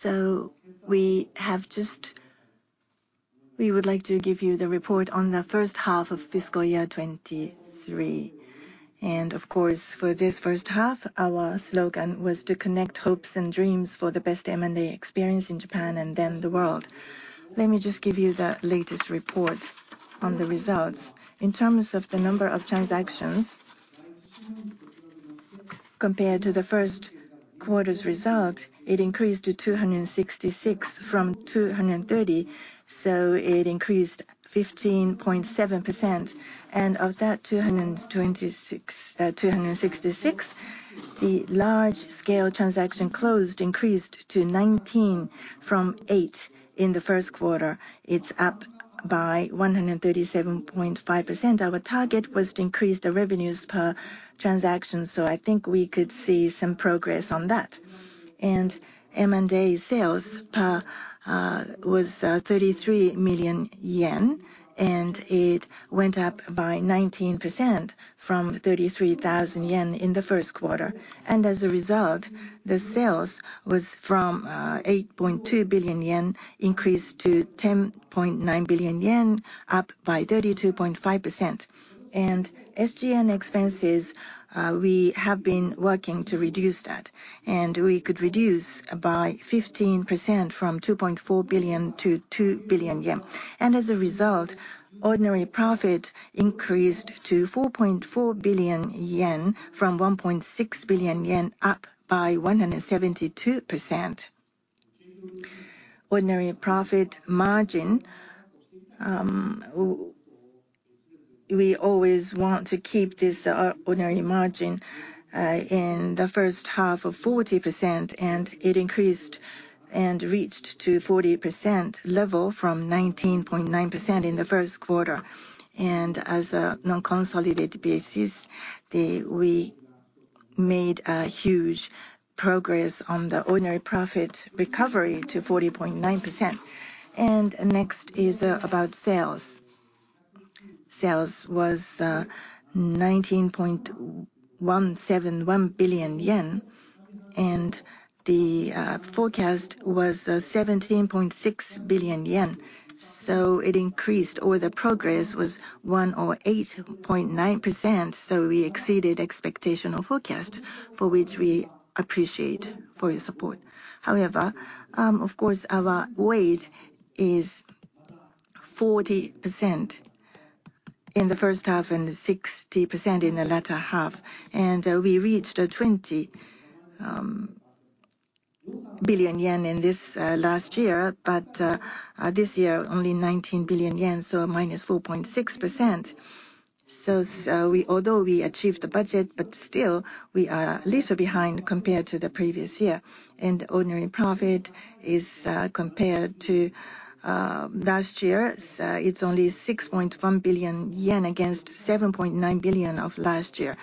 So we would like to give you the report on the first half of fiscal year 2023. And of course, for this first half, our slogan was to connect hopes and dreams for the best M&A experience in Japan, and then the world. Let me just give you the latest report on the results. In terms of the number of transactions, compared to the first quarter's result, it increased to 266 from 230, so it increased 15.7%. And of that 226, 266, the large-scale transaction closed increased to 19 from eight in the first quarter. It's up by 137.5%. Our target was to increase the revenues per transaction, so I think we could see some progress on that. M&A sales per transaction was 33 million yen, and it went up by 19% from 33,000 yen in the first quarter. As a result, the sales was from 8.2 billion yen increased to 10.9 billion yen, up by 32.5%. And SG&A expenses, we have been working to reduce that, and we could reduce by 15% from 2.4 billion to 2 billion yen. And as a result, ordinary profit increased to 4.4 billion yen from 1.6 billion yen, up by 172%. Ordinary profit margin, we always want to keep this ordinary margin in the first half of 40%, and it increased and reached to 40% level from 19.9% in the first quarter. As a non-consolidated basis, we made a huge progress on the ordinary profit recovery to 40.9%. Next is about sales. Sales was 19.171 billion yen, and the forecast was 17.6 billion yen. So it increased, or the progress was 108.9%, so we exceeded expectational forecast, for which we appreciate your support. However, of course, our weight is 40% in the first half and 60% in the latter half. We reached 20 billion yen in this last year, but this year, only 19 billion yen, so -4.6%. So although we achieved the budget, but still, we are a little behind compared to the previous year. Ordinary profit is, compared to last year's, it's only 6.1 billion yen against 7.9 billion of last year,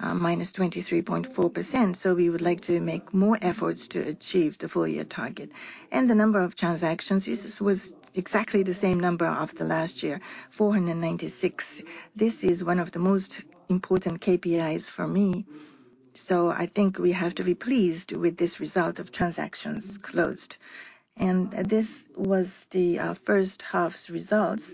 -23.4%. We would like to make more efforts to achieve the full year target. The number of transactions, this was exactly the same number of the last year, 496. This is one of the most important KPIs for me, so I think we have to be pleased with this result of transactions closed. This was the first half's results.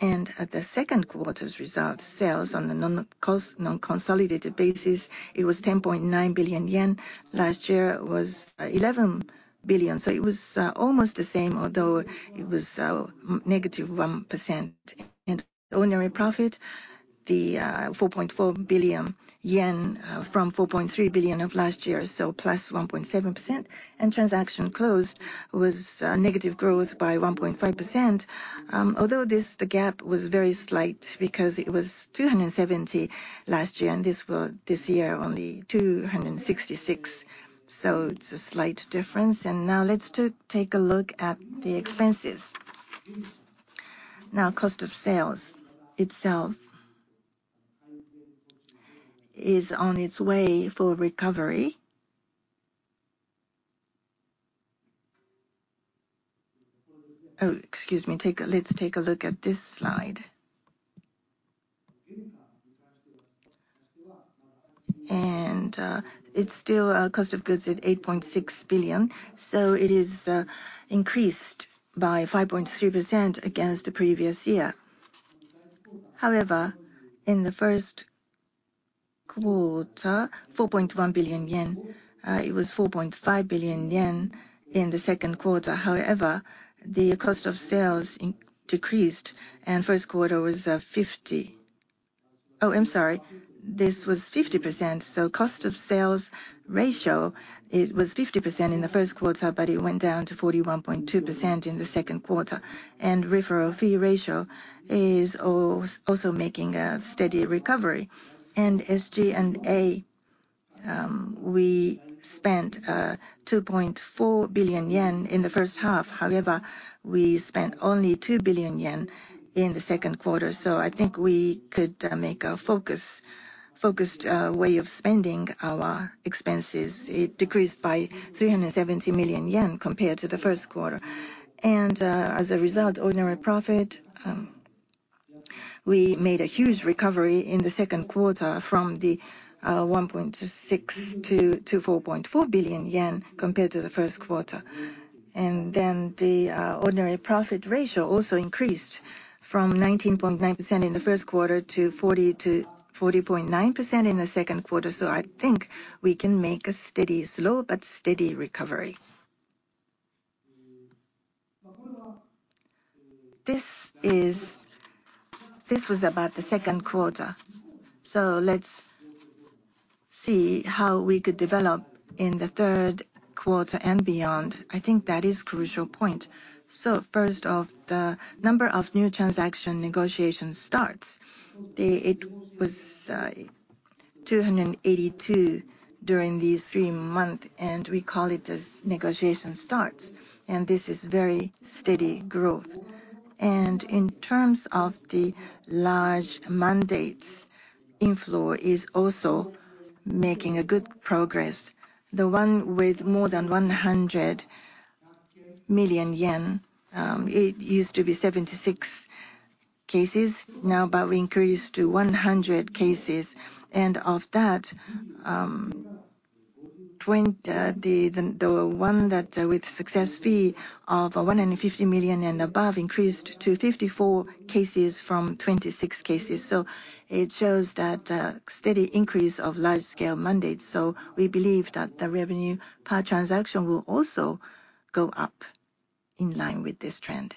At the second quarter's result, sales on a non-consolidated basis, it was 10.9 billion yen. Last year was 11 billion, so it was almost the same, although it was -1%. Ordinary profit, the 4.4 billion yen from 4.3 billion of last year, so +1.7%. Transactions closed was negative growth by 1.5%. Although this the gap was very slight because it was 270 last year, and this year, only 266, so it's a slight difference. Now let's take a look at the expenses. Cost of sales itself is on its way for recovery. Oh, excuse me, let's take a look at this slide. It's still cost of goods at 8.6 billion, so it is increased by 5.3% against the previous year. However, in the first quarter, 4.1 billion yen, it was 4.5 billion yen in the second quarter. However, the cost of sales decreased, and first quarter was 50%. Oh, I'm sorry, this was 50%, so cost of sales ratio. It was 50% in the first quarter, but it went down to 41.2% in the second quarter. And referral fee ratio is also making a steady recovery. And SG&A, we spent 2.4 billion yen in the first half. However, we spent only 2 billion yen in the second quarter, so I think we could make a focused way of spending our expenses. It decreased by 370 million yen compared to the first quarter. And, as a result, ordinary profit, we made a huge recovery in the second quarter from the 1.6 to 4.4 billion yen compared to the first quarter. And then the ordinary profit ratio also increased from 19.9% in the first quarter to 40.9% in the second quarter. So I think we can make a steady, slow, but steady recovery. This is, this was about the second quarter, so let's see how we could develop in the third quarter and beyond. I think that is crucial point. So first off, the number of new transaction negotiation starts. It was 282 during these three months, and we call it as negotiation starts, and this is very steady growth. And in terms of the large mandates, inflow is also making a good progress. The one with more than 100 million yen, it used to be 76 cases now, but we increased to 100 cases. Of that, 20, the one that with success fee of 150 million and above increased to 54 cases from 26 cases. So it shows that steady increase of large-scale mandates, so we believe that the revenue per transaction will also go up in line with this trend.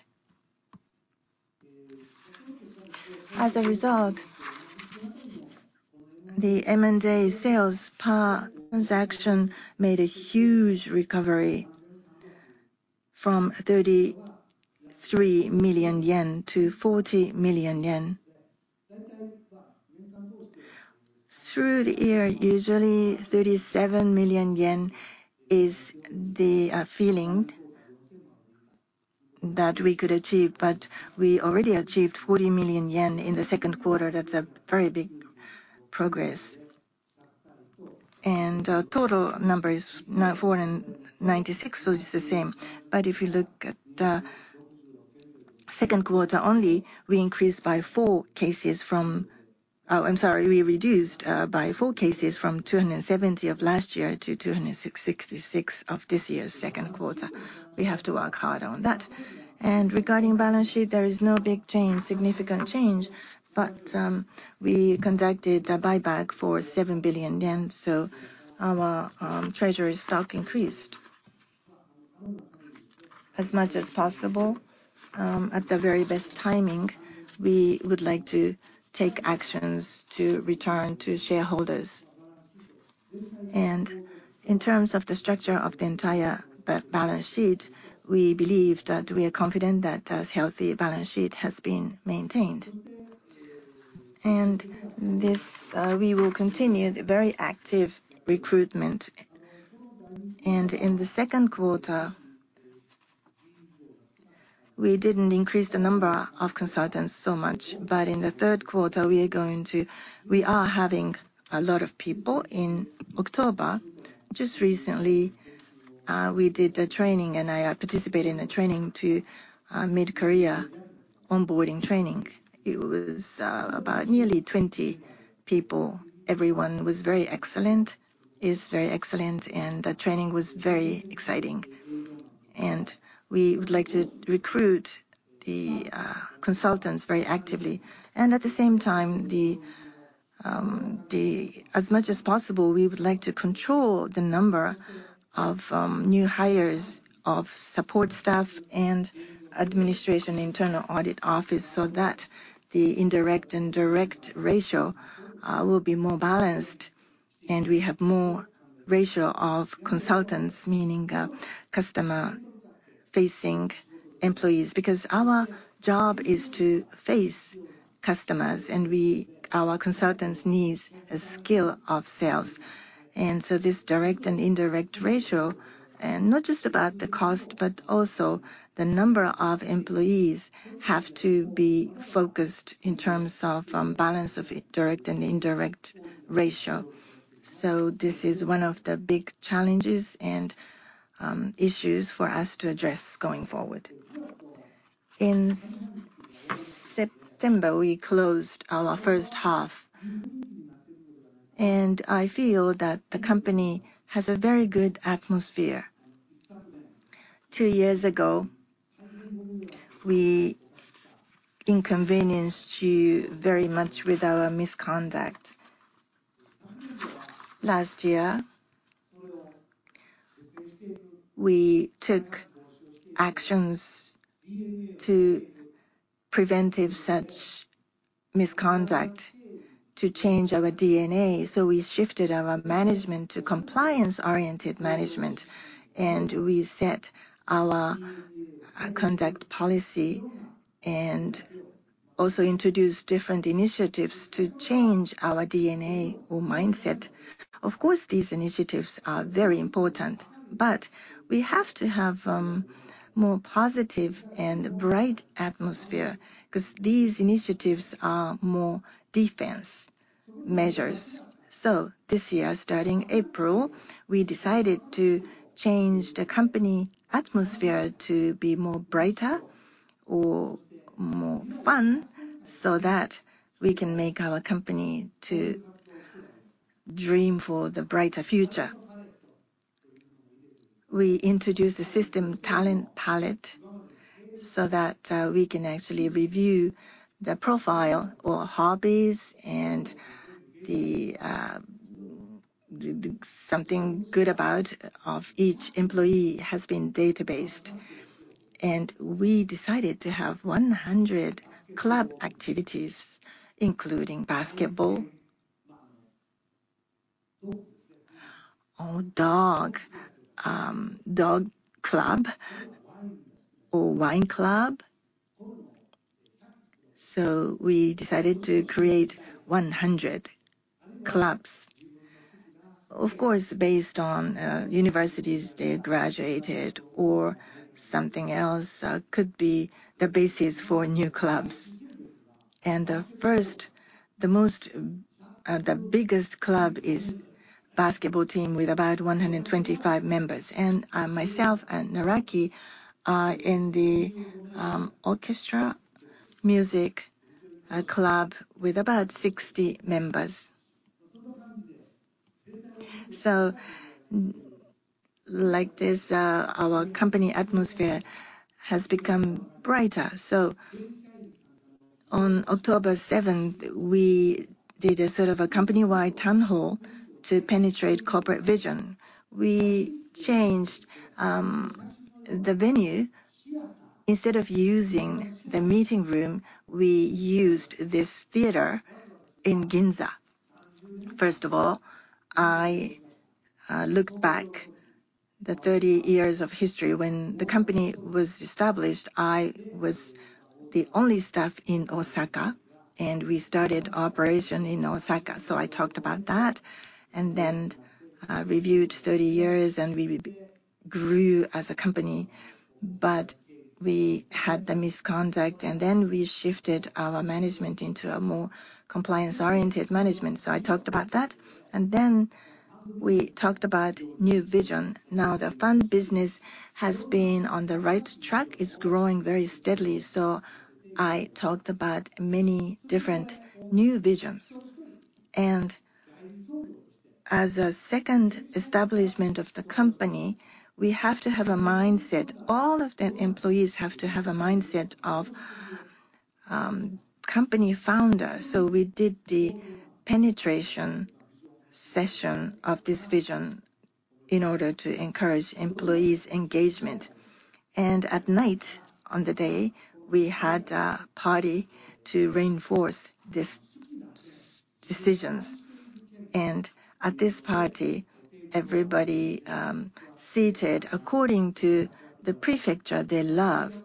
As a result, the M&A sales per transaction made a huge recovery from 33 million yen to 40 million yen. Through the year, usually 37 million yen is the feeling that we could achieve, but we already achieved 40 million yen in the second quarter. That's a very big progress. And total number is now 496, so it's the same. But if you look at the second quarter only, we increased by four cases from... Oh, I'm sorry, we reduced by four cases from 270 of last year to 266 of this year's second quarter. We have to work hard on that. Regarding balance sheet, there is no big change, significant change, but we conducted a buyback for 7 billion yen, so our treasury stock increased. As much as possible, at the very best timing, we would like to take actions to return to shareholders. In terms of the structure of the entire balance sheet, we believe that we are confident that a healthy balance sheet has been maintained. This, we will continue the very active recruitment. In the second quarter, we didn't increase the number of consultants so much, but in the third quarter, we are going to. We are having a lot of people in October. Just recently, we did a training, and I participated in the mid-career onboarding training. It was about nearly 20 people. Everyone was very excellent, is very excellent, and the training was very exciting. We would like to recruit the consultants very actively. At the same time, as much as possible, we would like to control the number of new hires of support staff and administration internal audit office so that the indirect and direct ratio will be more balanced, and we have more ratio of consultants, meaning customer-facing employees. Because our job is to face customers, and we, our consultants, needs a skill of sales. So this direct and indirect ratio, and not just about the cost, but also the number of employees, have to be focused in terms of balance of direct and indirect ratio. This is one of the big challenges and issues for us to address going forward. In September, we closed our first half, and I feel that the company has a very good atmosphere. Two years ago, we inconvenienced you very much with our misconduct. Last year, we took actions to prevent such misconduct to change our DNA, so we shifted our management to compliance-oriented management, and we set our conduct policy and also introduced different initiatives to change our DNA or mindset. Of course, these initiatives are very important, but we have to have more positive and bright atmosphere, 'cause these initiatives are more defensive measures. So this year, starting April, we decided to change the company atmosphere to be more brighter or more fun, so that we can make our company to dream for the brighter future. We introduced the system Talent Palette, so that we can actually review the profile or hobbies and the something good about of each employee has been databased. And we decided to have 100 club activities, including basketball or dog, dog club or wine club. So we decided to create 100 clubs. Of course, based on universities they graduated or something else could be the basis for new clubs. And the first, the most, the biggest club is basketball team with about 125 members. And myself and Naraki are in the orchestra music club with about 60 members. So like this, our company atmosphere has become brighter. So on October 7th, we did a sort of a company-wide town hall to penetrate corporate vision. We changed the venue. Instead of using the meeting room, we used this theater in Ginza. First of all, I looked back the 30 years of history. When the company was established, I was the only staff in Osaka, and we started operation in Osaka, so I talked about that. And then reviewed 30 years, and we grew as a company, but we had the misconduct, and then we shifted our management into a more compliance-oriented management, so I talked about that. And then we talked about new vision. Now, the fund business has been on the right track. It's growing very steadily, so I talked about many different new visions. As a second establishment of the company, we have to have a mindset. All of the employees have to have a mindset of company founder. So we did the presentation session of this vision in order to encourage employees' engagement. And at night, on the day, we had a party to reinforce this decisions. And at this party, everybody seated according to the prefecture they love.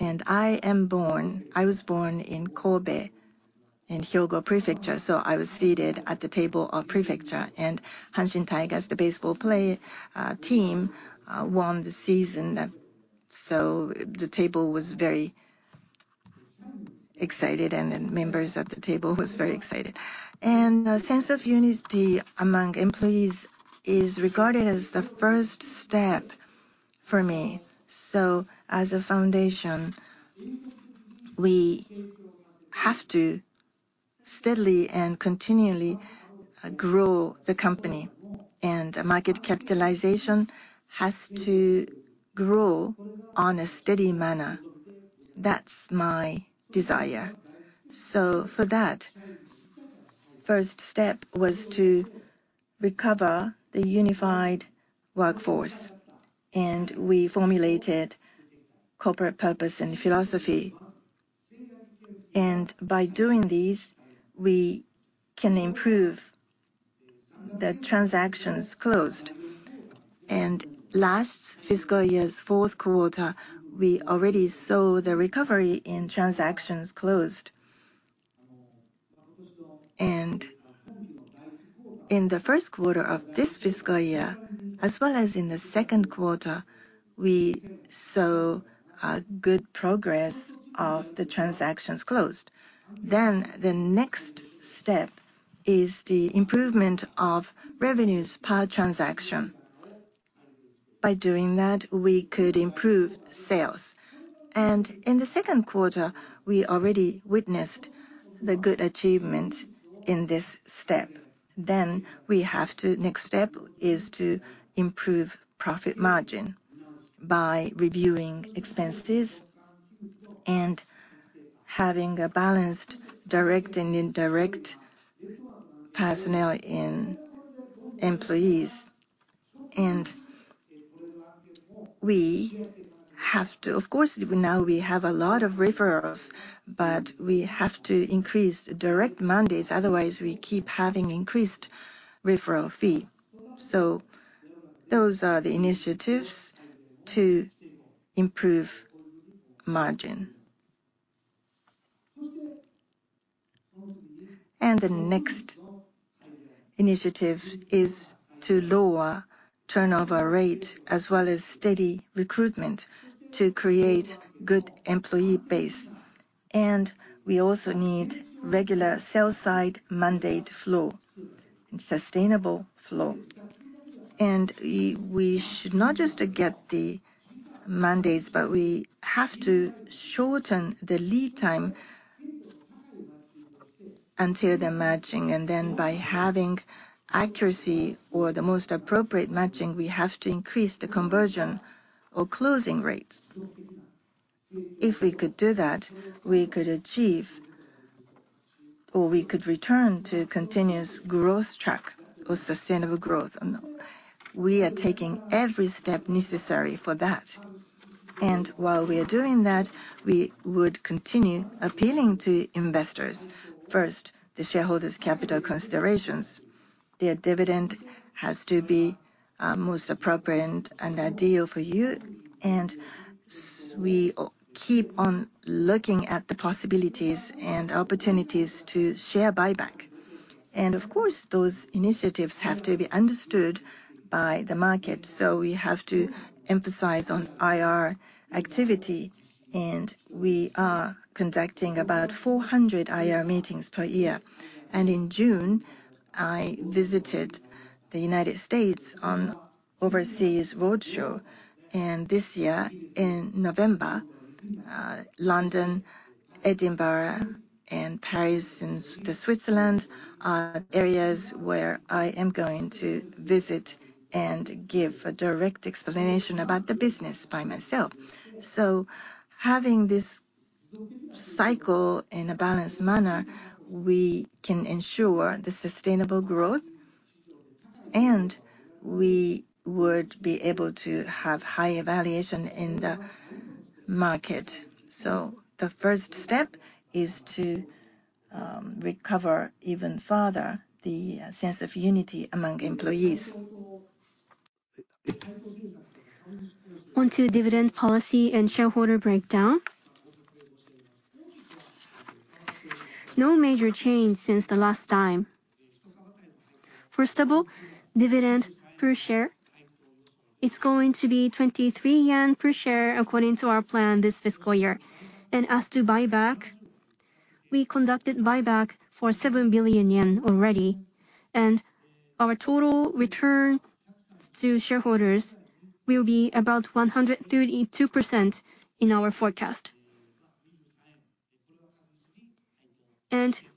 And I am born, I was born in Kobe, in Hyogo Prefecture, so I was seated at the table of prefecture. And Hanshin Tigers, the baseball team, won the season, so the table was very excited, and the members at the table was very excited. And a sense of unity among employees is regarded as the first step for me. So as a foundation, we have to steadily and continually grow the company, and market capitalization has to grow in a steady manner. That's my desire. For that, first step was to recover the unified workforce, and we formulated corporate purpose and philosophy. By doing this, we can improve the transactions closed. Last fiscal year's fourth quarter, we already saw the recovery in transactions closed. In the first quarter of this fiscal year, as well as in the second quarter, we saw a good progress of the transactions closed. Then the next step is the improvement of revenues per transaction. By doing that, we could improve sales. In the second quarter, we already witnessed the good achievement in this step. Next step is to improve profit margin by reviewing expenses and having a balanced, direct and indirect personnel in employees. And we have to, of course, now we have a lot of referrals, but we have to increase direct mandates, otherwise we keep having increased referral fee. So those are the initiatives to improve margin. And the next initiative is to lower turnover rate, as well as steady recruitment to create good employee base. And we also need regular sales side mandate flow, and sustainable flow. And we should not just get the mandates, but we have to shorten the lead time until the matching, and then by having accuracy or the most appropriate matching, we have to increase the conversion or closing rates. If we could do that, we could achieve or we could return to continuous growth track or sustainable growth, and we are taking every step necessary for that. And while we are doing that, we would continue appealing to investors. First, the shareholders' capital considerations. Their dividend has to be most appropriate and ideal for you, and we keep on looking at the possibilities and opportunities to share buyback. Of course, those initiatives have to be understood by the market, so we have to emphasize on IR activity, and we are conducting about 400 IR meetings per year. In June, I visited the United States on overseas roadshow, and this year, in November, London, Edinburgh, and Paris, and Switzerland are areas where I am going to visit and give a direct explanation about the business by myself. Having this cycle in a balanced manner, we can ensure the sustainable growth, and we would be able to have higher valuation in the market. The first step is to recover even further the sense of unity among employees. On to dividend policy and shareholder breakdown. No major change since the last time. First of all, dividend per share, it's going to be 23 yen per share according to our plan this fiscal year. As to Buyback, we conducted Buyback for 7 billion yen already, and our total return to shareholders will be about 132% in our forecast.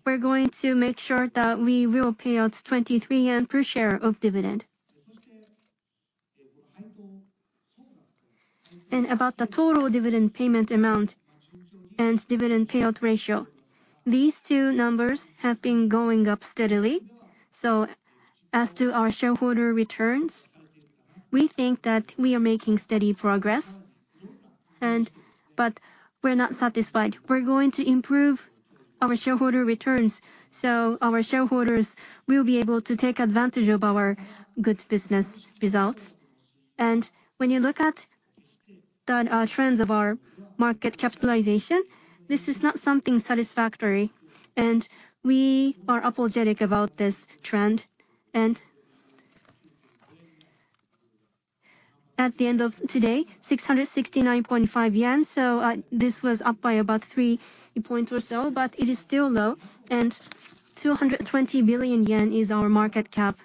We're going to make sure that we will pay out 23 yen per share of dividend. About the total dividend payment amount and Dividend Payout Ratio, these two numbers have been going up steadily, so as to our shareholder returns, we think that we are making steady progress, and but we're not satisfied. We're going to improve our shareholder returns, so our shareholders will be able to take advantage of our good business results. When you look at the trends of our market capitalization, this is not something satisfactory, and we are apologetic about this trend. At the end of today, 669.5 yen, so, this was up by about three points or so, but it is still low, and 220 billion yen is our market cap.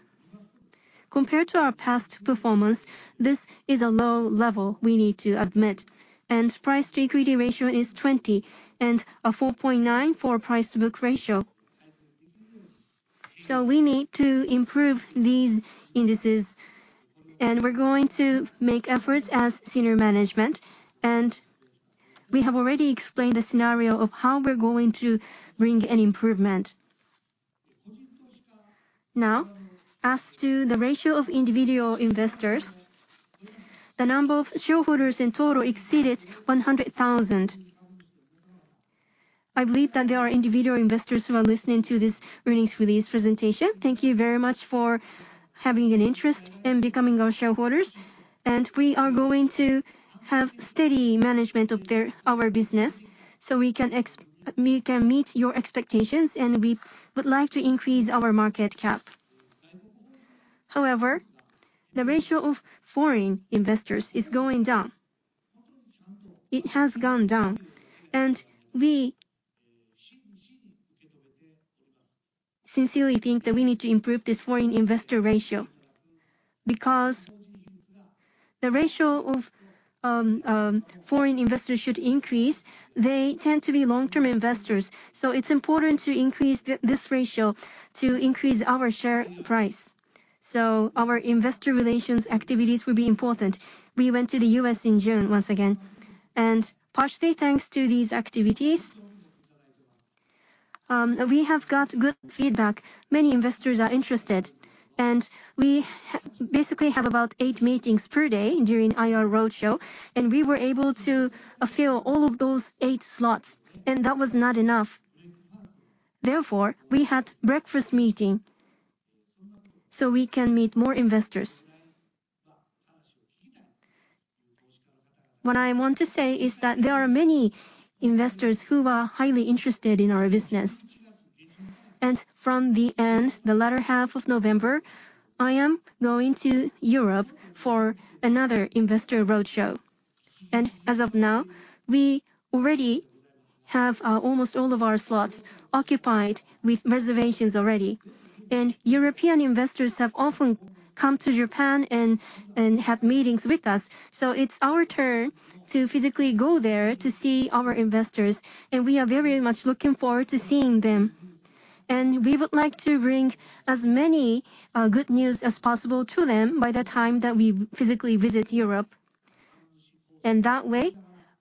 Compared to our past performance, this is a low level, we need to admit, and price-to-earnings ratio is 20, and 4.9 for price-to-book ratio. We need to improve these indices, and we're going to make efforts as senior management, and we have already explained the scenario of how we're going to bring an improvement. Now, as to the ratio of individual investors, the number of shareholders in total exceeded 100,000. I believe that there are individual investors who are listening to this earnings release presentation. Thank you very much for having an interest in becoming our shareholders, and we are going to have steady management of our business, so we can meet your expectations, and we would like to increase our market cap. However, the ratio of foreign investors is going down. It has gone down, and we sincerely think that we need to improve this foreign investor ratio, because the ratio of foreign investors should increase. They tend to be long-term investors, so it's important to increase this ratio to increase our share price, so our investor relations activities will be important. We went to the U.S. in June once again, and partially thanks to these activities, we have got good feedback. Many investors are interested, and we basically have about eight meetings per day during IR roadshow, and we were able to fill all of those eight slots, and that was not enough. Therefore, we had breakfast meeting so we can meet more investors. What I want to say is that there are many investors who are highly interested in our business. From the end, the latter half of November, I am going to Europe for another investor roadshow. As of now, we already have almost all of our slots occupied with reservations already. European investors have often come to Japan and have meetings with us, so it's our turn to physically go there to see our investors, and we are very much looking forward to seeing them. We would like to bring as many good news as possible to them by the time that we physically visit Europe. That way,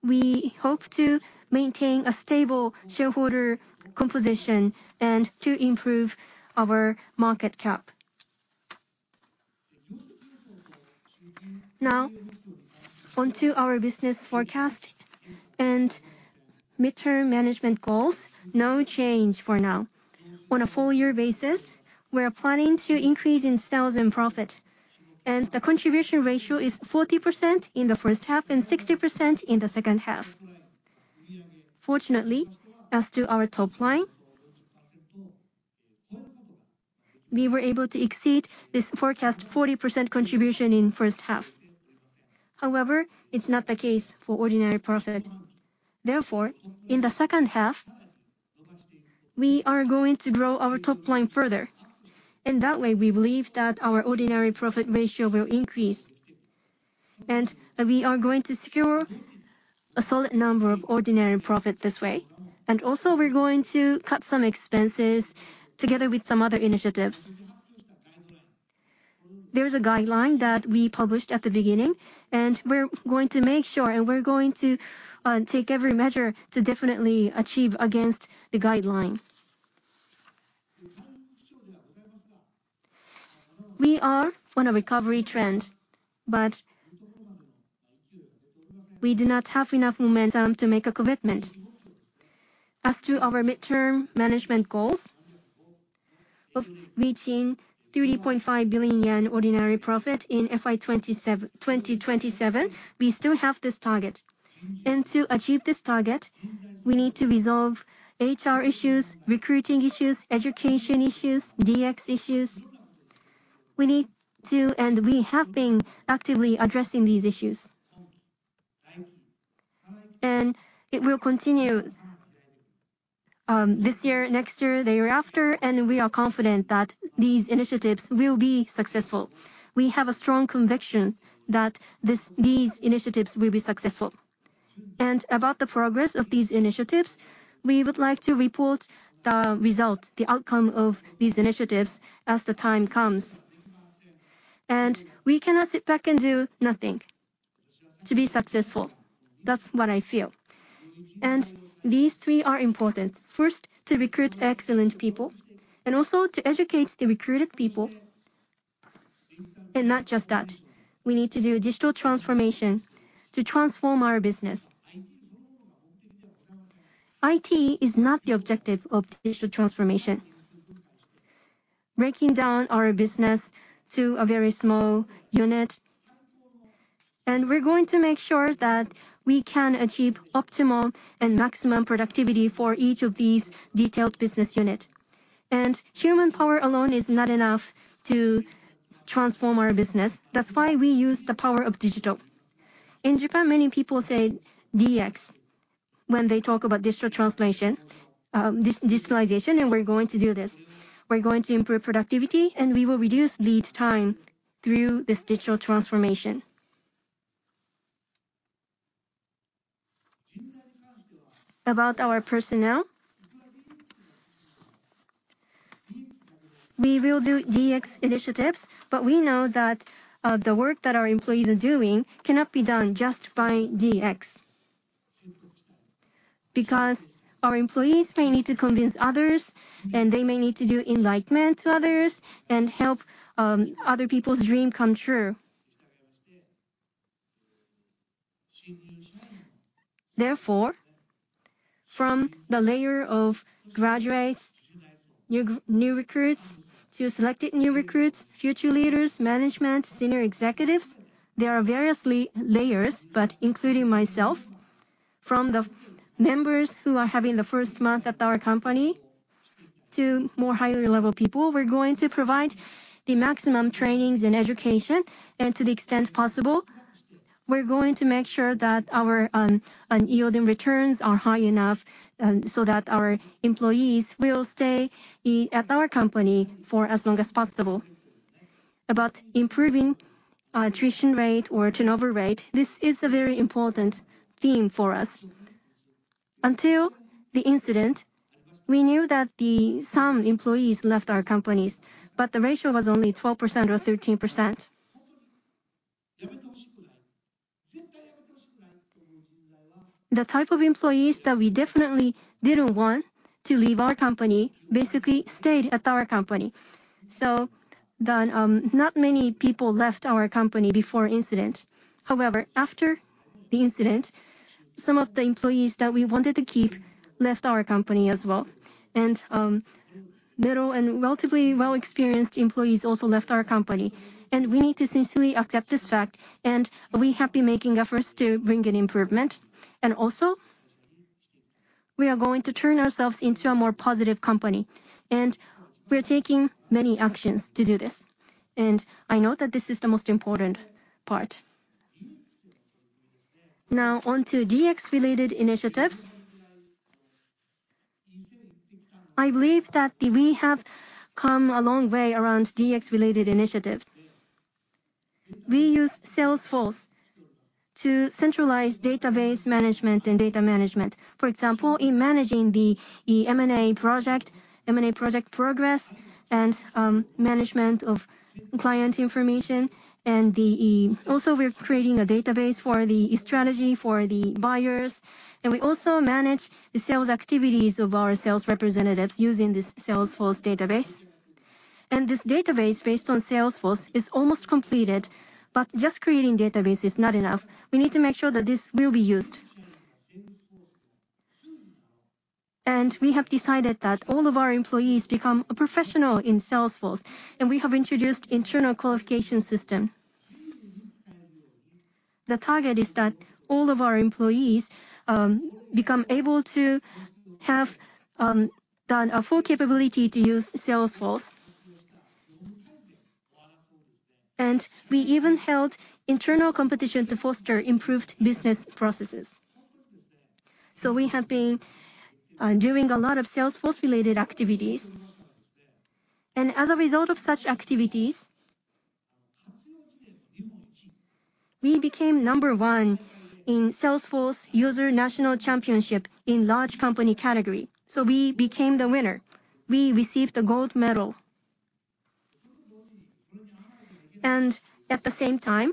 we hope to maintain a stable shareholder composition and to improve our market cap. Now, on to our business forecast and midterm management goals. No change for now. On a full year basis, we're planning to increase in sales and profit, and the contribution ratio is 40% in the first half and 60% in the second half. Fortunately, as to our top line, we were able to exceed this forecast 40% contribution in first half. However, it's not the case for ordinary profit. Therefore, in the second half, we are going to grow our top line further. In that way, we believe that our ordinary profit ratio will increase, and we are going to secure a solid number of ordinary profit this way. And also, we're going to cut some expenses together with some other initiatives. There's a guideline that we published at the beginning, and we're going to make sure, and we're going to take every measure to definitely achieve against the guideline. We are on a recovery trend, but we do not have enough momentum to make a commitment. As to our midterm management goals of reaching 3.5 billion yen ordinary profit in FY 2027, we still have this target. And to achieve this target, we need to resolve HR issues, recruiting issues, education issues, DX issues. We need to, and we have been actively addressing these issues. And it will continue, this year, next year, the year after, and we are confident that these initiatives will be successful. We have a strong conviction that this, these initiatives will be successful. And about the progress of these initiatives, we would like to report the result, the outcome of these initiatives as the time comes. And we cannot sit back and do nothing to be successful. That's what I feel. And these three are important: first, to recruit excellent people and also to educate the recruited people. And not just that, we need to do a digital transformation to transform our business. IT is not the objective of digital transformation. Breaking down our business to a very small unit, and we're going to make sure that we can achieve optimal and maximum productivity for each of these detailed business unit. Human power alone is not enough to transform our business. That's why we use the power of digital. In Japan, many people say DX when they talk about digital transformation, digitalization, and we're going to do this. We're going to improve productivity, and we will reduce lead time through this digital transformation. About our personnel, we will do DX initiatives, but we know that the work that our employees are doing cannot be done just by DX. Because our employees may need to convince others, and they may need to do enlightenment to others and help other people's dream come true. Therefore, from the layer of graduates, new recruits, to selected new recruits, future leaders, management, senior executives, there are various layers, but including myself, from the members who are having the first month at our company to more higher level people, we're going to provide the maximum trainings and education. To the extent possible, we're going to make sure that our unyielding returns are high enough, so that our employees will stay at our company for as long as possible. About improving attrition rate or turnover rate, this is a very important theme for us. Until the incident, we knew that some employees left our companies, but the ratio was only 12% or 13%. The type of employees that we definitely didn't want to leave our company basically stayed at our company, so the not many people left our company before incident. However, after the incident, some of the employees that we wanted to keep left our company as well, and middle and relatively well-experienced employees also left our company, and we need to sincerely accept this fact, and we have been making efforts to bring an improvement. And also, we are going to turn ourselves into a more positive company, and we are taking many actions to do this, and I know that this is the most important part. Now, on to DX-related initiatives. I believe that we have come a long way around DX-related initiatives. We use Salesforce to centralize database management and data management. For example, in managing the M&A project, M&A project progress, and management of client information, and also, we're creating a database for the B-strategy for the buyers, and we also manage the sales activities of our sales representatives using this Salesforce database. This database, based on Salesforce, is almost completed, but just creating database is not enough. We need to make sure that this will be used. We have decided that all of our employees become a professional in Salesforce, and we have introduced internal qualification system. The target is that all of our employees become able to have done a full capability to use Salesforce. We even held internal competition to foster improved business processes. So we have been doing a lot of Salesforce-related activities, and as a result of such activities, we became number one in Salesforce User National Championship in large company category. So we became the winner. We received a gold medal. And at the same time,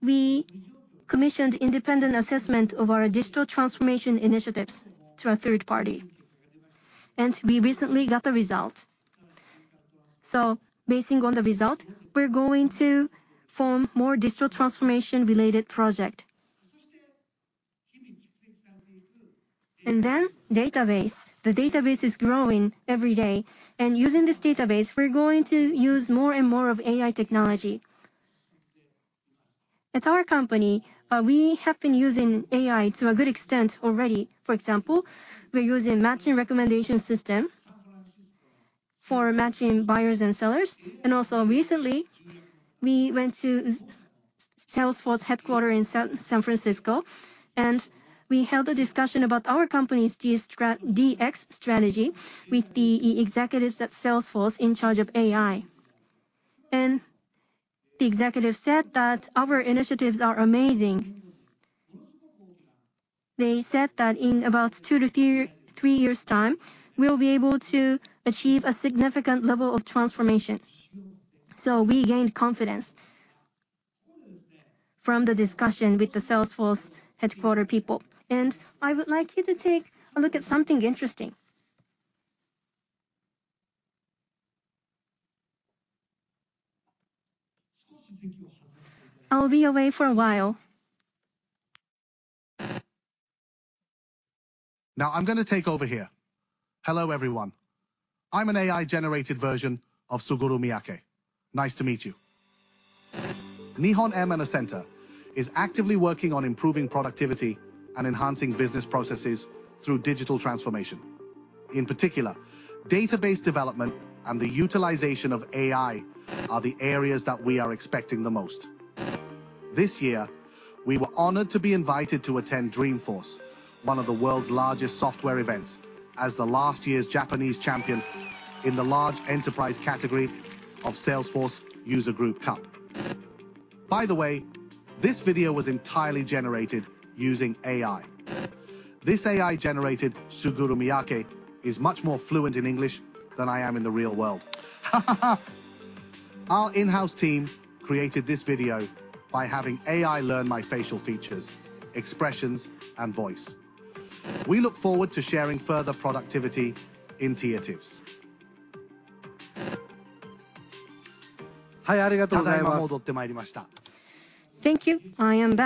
we commissioned independent assessment of our digital transformation initiatives to a third party, and we recently got the result. So based on the result, we're going to form more digital transformation-related project. And then database. The database is growing every day, and using this database, we're going to use more and more of AI technology. At our company, we have been using AI to a good extent already. For example, we're using matching recommendation system for matching buyers and sellers, and also recently, we went to Salesforce headquarters in San Francisco, and we held a discussion about our company's DX strategy with the executives at Salesforce in charge of AI. The executive said that our initiatives are amazing. They said that in about two-three years' time, we'll be able to achieve a significant level of transformation. We gained confidence from the discussion with the Salesforce headquarters people, and I would like you to take a look at something interesting. I'll be away for a while. Now, I'm gonna take over here. Hello, everyone. I'm an AI-generated version of Suguru Miyake. Nice to meet you. Nihon M&A Center is actively working on improving productivity and enhancing business processes through digital transformation. In particular, database development and the utilization of AI are the areas that we are expecting the most. This year, we were honored to be invited to attend Dreamforce, one of the world's largest software events, as the last year's Japanese champion in the large enterprise category of Salesforce User Group Cup. By the way, this video was entirely generated using AI. This AI-generated Suguru Miyake is much more fluent in English than I am in the real world. Our in-house team created this video by having AI learn my facial features, expressions, and voice. We look forward to sharing further productivity initiatives. Thank you. I am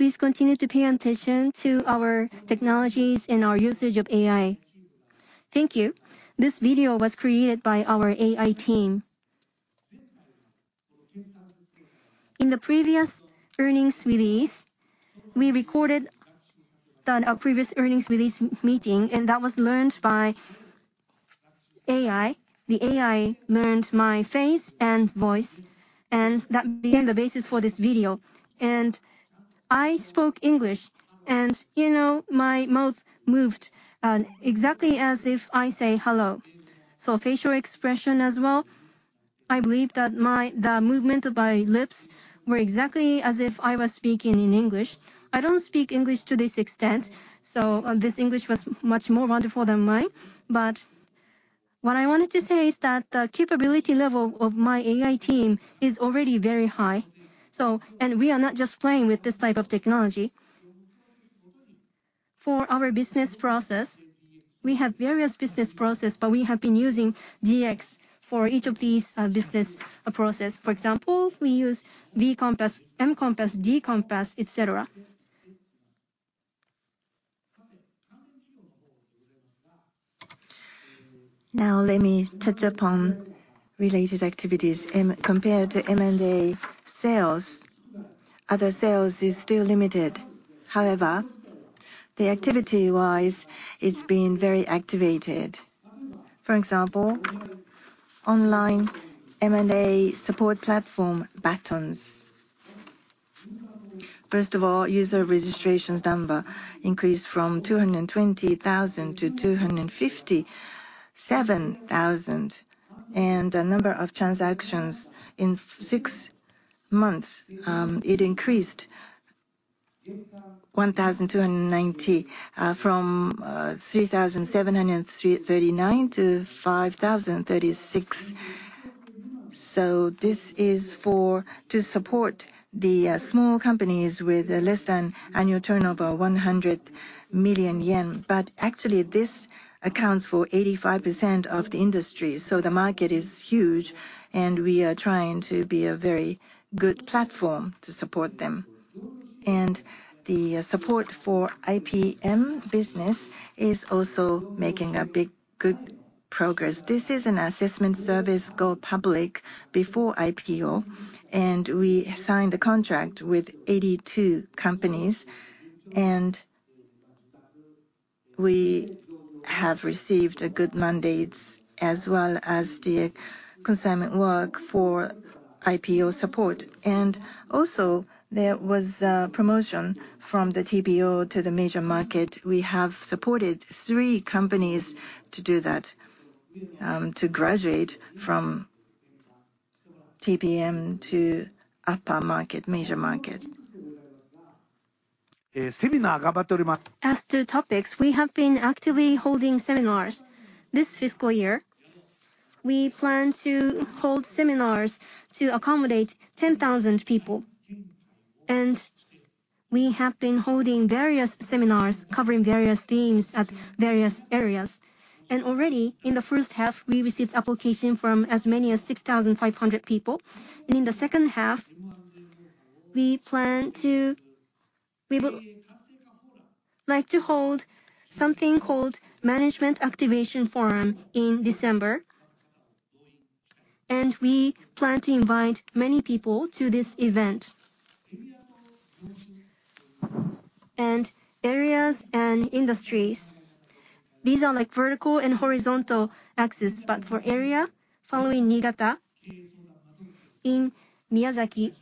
back. Please continue to pay attention to our technologies and our usage of AI. Thank you. This video was created by our AI team. In the previous earnings release, we recorded a previous earnings release meeting, and that was learned by AI. The AI learned my face and voice, and that became the basis for this video. And I spoke English and, you know, my mouth moved exactly as if I say hello, so facial expression as well. I believe that my, the movement of my lips were exactly as if I was speaking in English. I don't speak English to this extent, so this English was much more wonderful than mine. But what I wanted to say is that the capability level of my AI team is already very high. So... We are not just playing with this type of technology... for our business process, we have various business process, but we have been using DX for each of these, business, process. For example, we use V-Compass, M-Compass, B-Compass, et cetera. Now let me touch upon related activities. In compared to M&A sales, other sales is still limited. However, the activity-wise, it's been very activated. For example, online M&A support platform, Batonz. First of all, user registrations number increased from 220,000 to 257,000, and the number of transactions in six months, it increased 1,290, from 3,739 to 5,036. So this is for to support the small companies with less than annual turnover of 100 million yen. But actually, this accounts for 85% of the industry, so the market is huge, and we are trying to be a very good platform to support them. And the support for TPM business is also making a big, good progress. This is an assessment service go public before IPO, and we signed a contract with 82 companies, and we have received a good mandate as well as the consignment work for IPO support. Also, there was a promotion from the TPM to the major market. We have supported three companies to do that, to graduate from TPM to upper market, major market. As to topics, we have been actively holding seminars. This fiscal year, we plan to hold seminars to accommodate 10,000 people, and we have been holding various seminars covering various themes at various areas. Already in the first half, we received application from as many as 6,500 people. In the second half, we plan to - we would like to hold something called Management Activation Forum in December, and we plan to invite many people to this event. Areas and industries, these are like vertical and horizontal axis, but for area, following Niigata, in Miyazaki,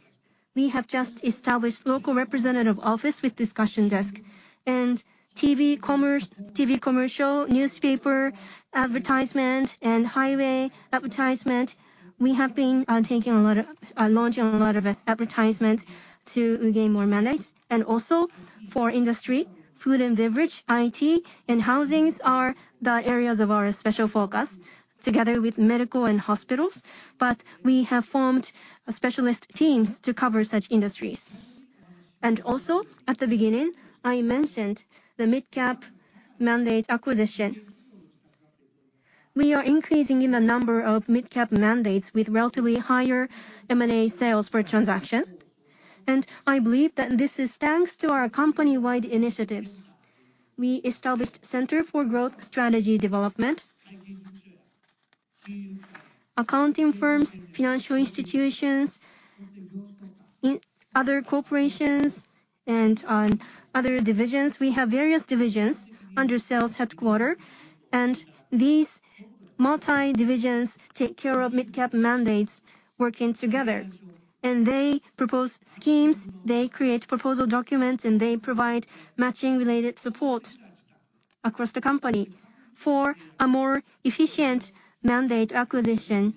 we have just established local representative office with discussion desk and TV commercials, TV commercial, newspaper, advertisement, and highway advertisement. We have been taking a lot of launching a lot of advertisement to gain more mandates. Also for industry, food and beverage, IT, and housing are the areas of our special focus, together with medical and hospitals. But we have formed specialist teams to cover such industries. Also, at the beginning, I mentioned the midcap mandate acquisition. We are increasing in the number of midcap mandates with relatively higher M&A sales per transaction, and I believe that this is thanks to our company-wide initiatives. We established Center for Growth Strategy Development, accounting firms, financial institutions, in other corporations, and on other divisions. We have various divisions under sales headquarters, and these multi divisions take care of midcap mandates working together, and they propose schemes, they create proposal documents, and they provide matching related support across the company for a more efficient mandate acquisition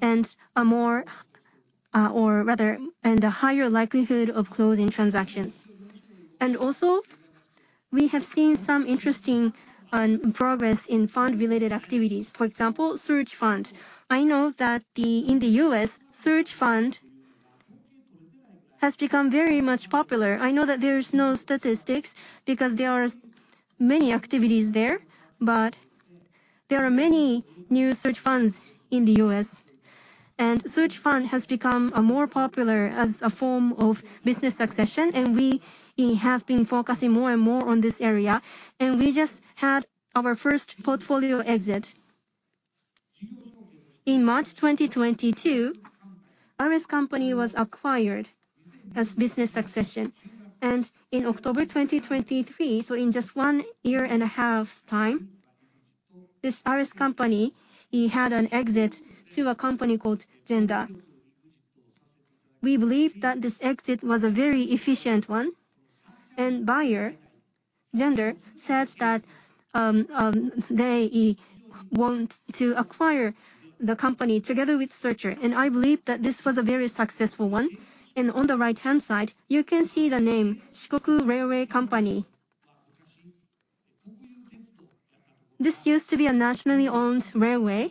and a more, or rather, and a higher likelihood of closing transactions. And also, we have seen some interesting progress in fund-related activities. For example, search fund. I know that the, in the U.S., search fund has become very much popular. I know that there's no statistics because there are many activities there, but there are many new search funds in the U.S. And search fund has become more popular as a form of business succession, and we, we have been focusing more and more on this area, and we just had our first portfolio exit. In March 2022, RS Company was acquired as business succession, and in October 2023, so in just one year and a half's time, this RS Company, it had an exit to a company called GENDA. We believe that this exit was a very efficient one, and buyer, GENDA, said that they want to acquire the company together with searcher, and I believe that this was a very successful one. On the right-hand side, you can see the name Shikoku Railway Company. This used to be a nationally owned railway.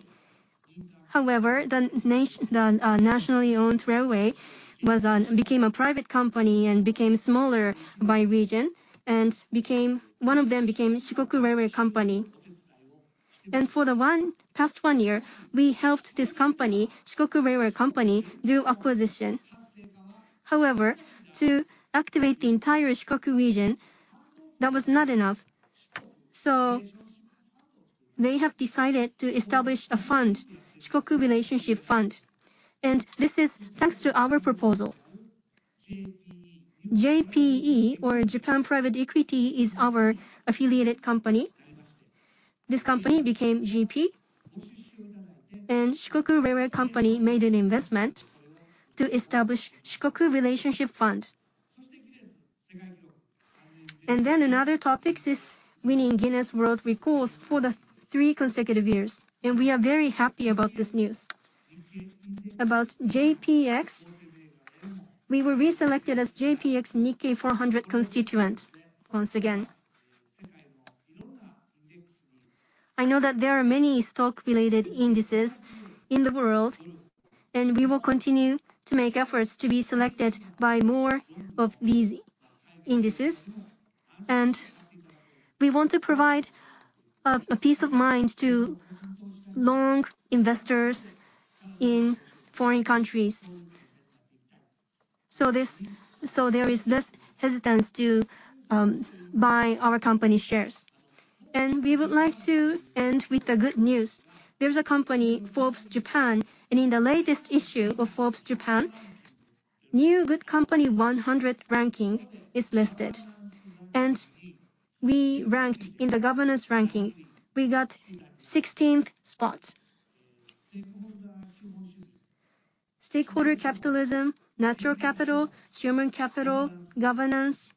However, the nationally owned railway became a private company and became smaller by region, and one of them became Shikoku Railway Company. For the past one year, we helped this company, Shikoku Railway Company, do acquisition. However, to activate the entire Shikoku region, that was not enough, so they have decided to establish a fund, Shikoku Relationship Fund, and this is thanks to our proposal. JPE, or Japan Private Equity, is our affiliated company. This company became GP, and Shikoku Railway Company made an investment to establish Shikoku Relationship Fund. Another topic is winning Guinness World Records for the three consecutive years, and we are very happy about this news. About JPX, we were reselected as JPX-Nikkei 400 constituent once again. I know that there are many stock-related indices in the world, and we will continue to make efforts to be selected by more of these indices. And we want to provide a peace of mind to long investors in foreign countries, so this, so there is less hesitance to buy our company shares. We would like to end with the good news. There's a company, Forbes Japan, and in the latest issue of Forbes Japan, new Good Company 100 ranking is listed, and we ranked in the governance ranking. We got 16th spot. Stakeholder capitalism, natural capital, human capital, governance,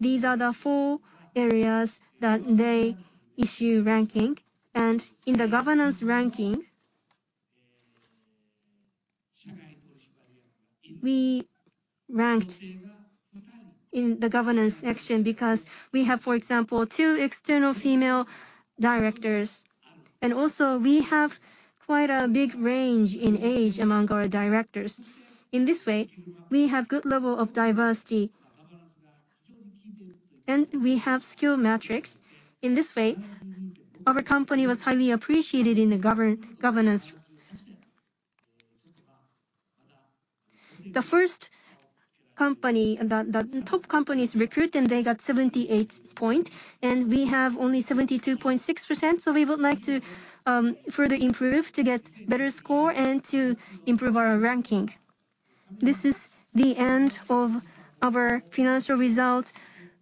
these are the four areas that they issue ranking, and in the governance ranking, we ranked in the governance section because we have, for example, two external female directors, and also we have quite a big range in age among our directors. In this way, we have good level of diversity, and we have skill metrics. In this way, our company was highly appreciated in the governance. The first company, the top companies Recruit, and they got 78 points, and we have only 72.6%, so we would like to further improve to get better score and to improve our ranking. This is the end of our financial result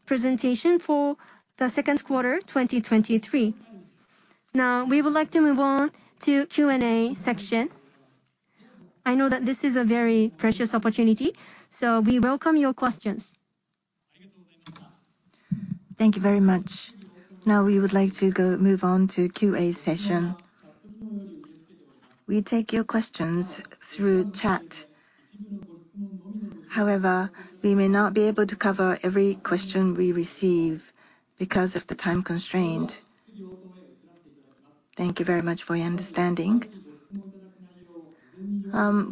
presentation for the second quarter, 2023. Now, we would like to move on to Q&A section. I know that this is a very precious opportunity, so we welcome your questions. Thank you very much. Now we would like to go, move on to Q&A session. We take your questions through chat. However, we may not be able to cover every question we receive because of the time constraint. Thank you very much for your understanding.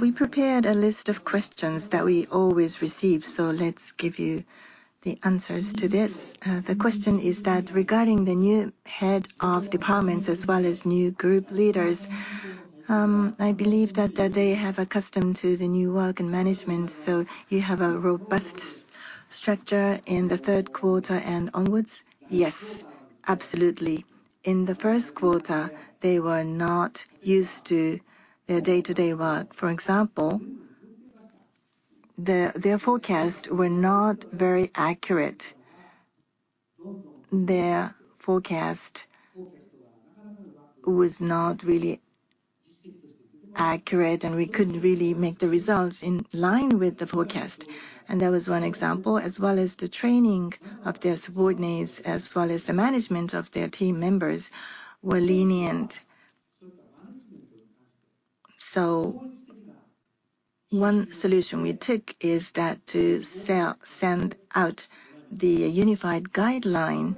We prepared a list of questions that we always receive, so let's give you the answers to this. The question is that regarding the new head of departments as well as new group leaders, I believe that they have accustomed to the new work and management, so you have a robust structure in the third quarter and onwards? Yes, absolutely. In the first quarter, they were not used to their day-to-day work. For example, their forecasts were not very accurate. Their forecast was not really accurate, and we couldn't really make the results in line with the forecast. And that was one example, as well as the training of their subordinates, as well as the management of their team members were lenient. So one solution we took is that to send out the unified guideline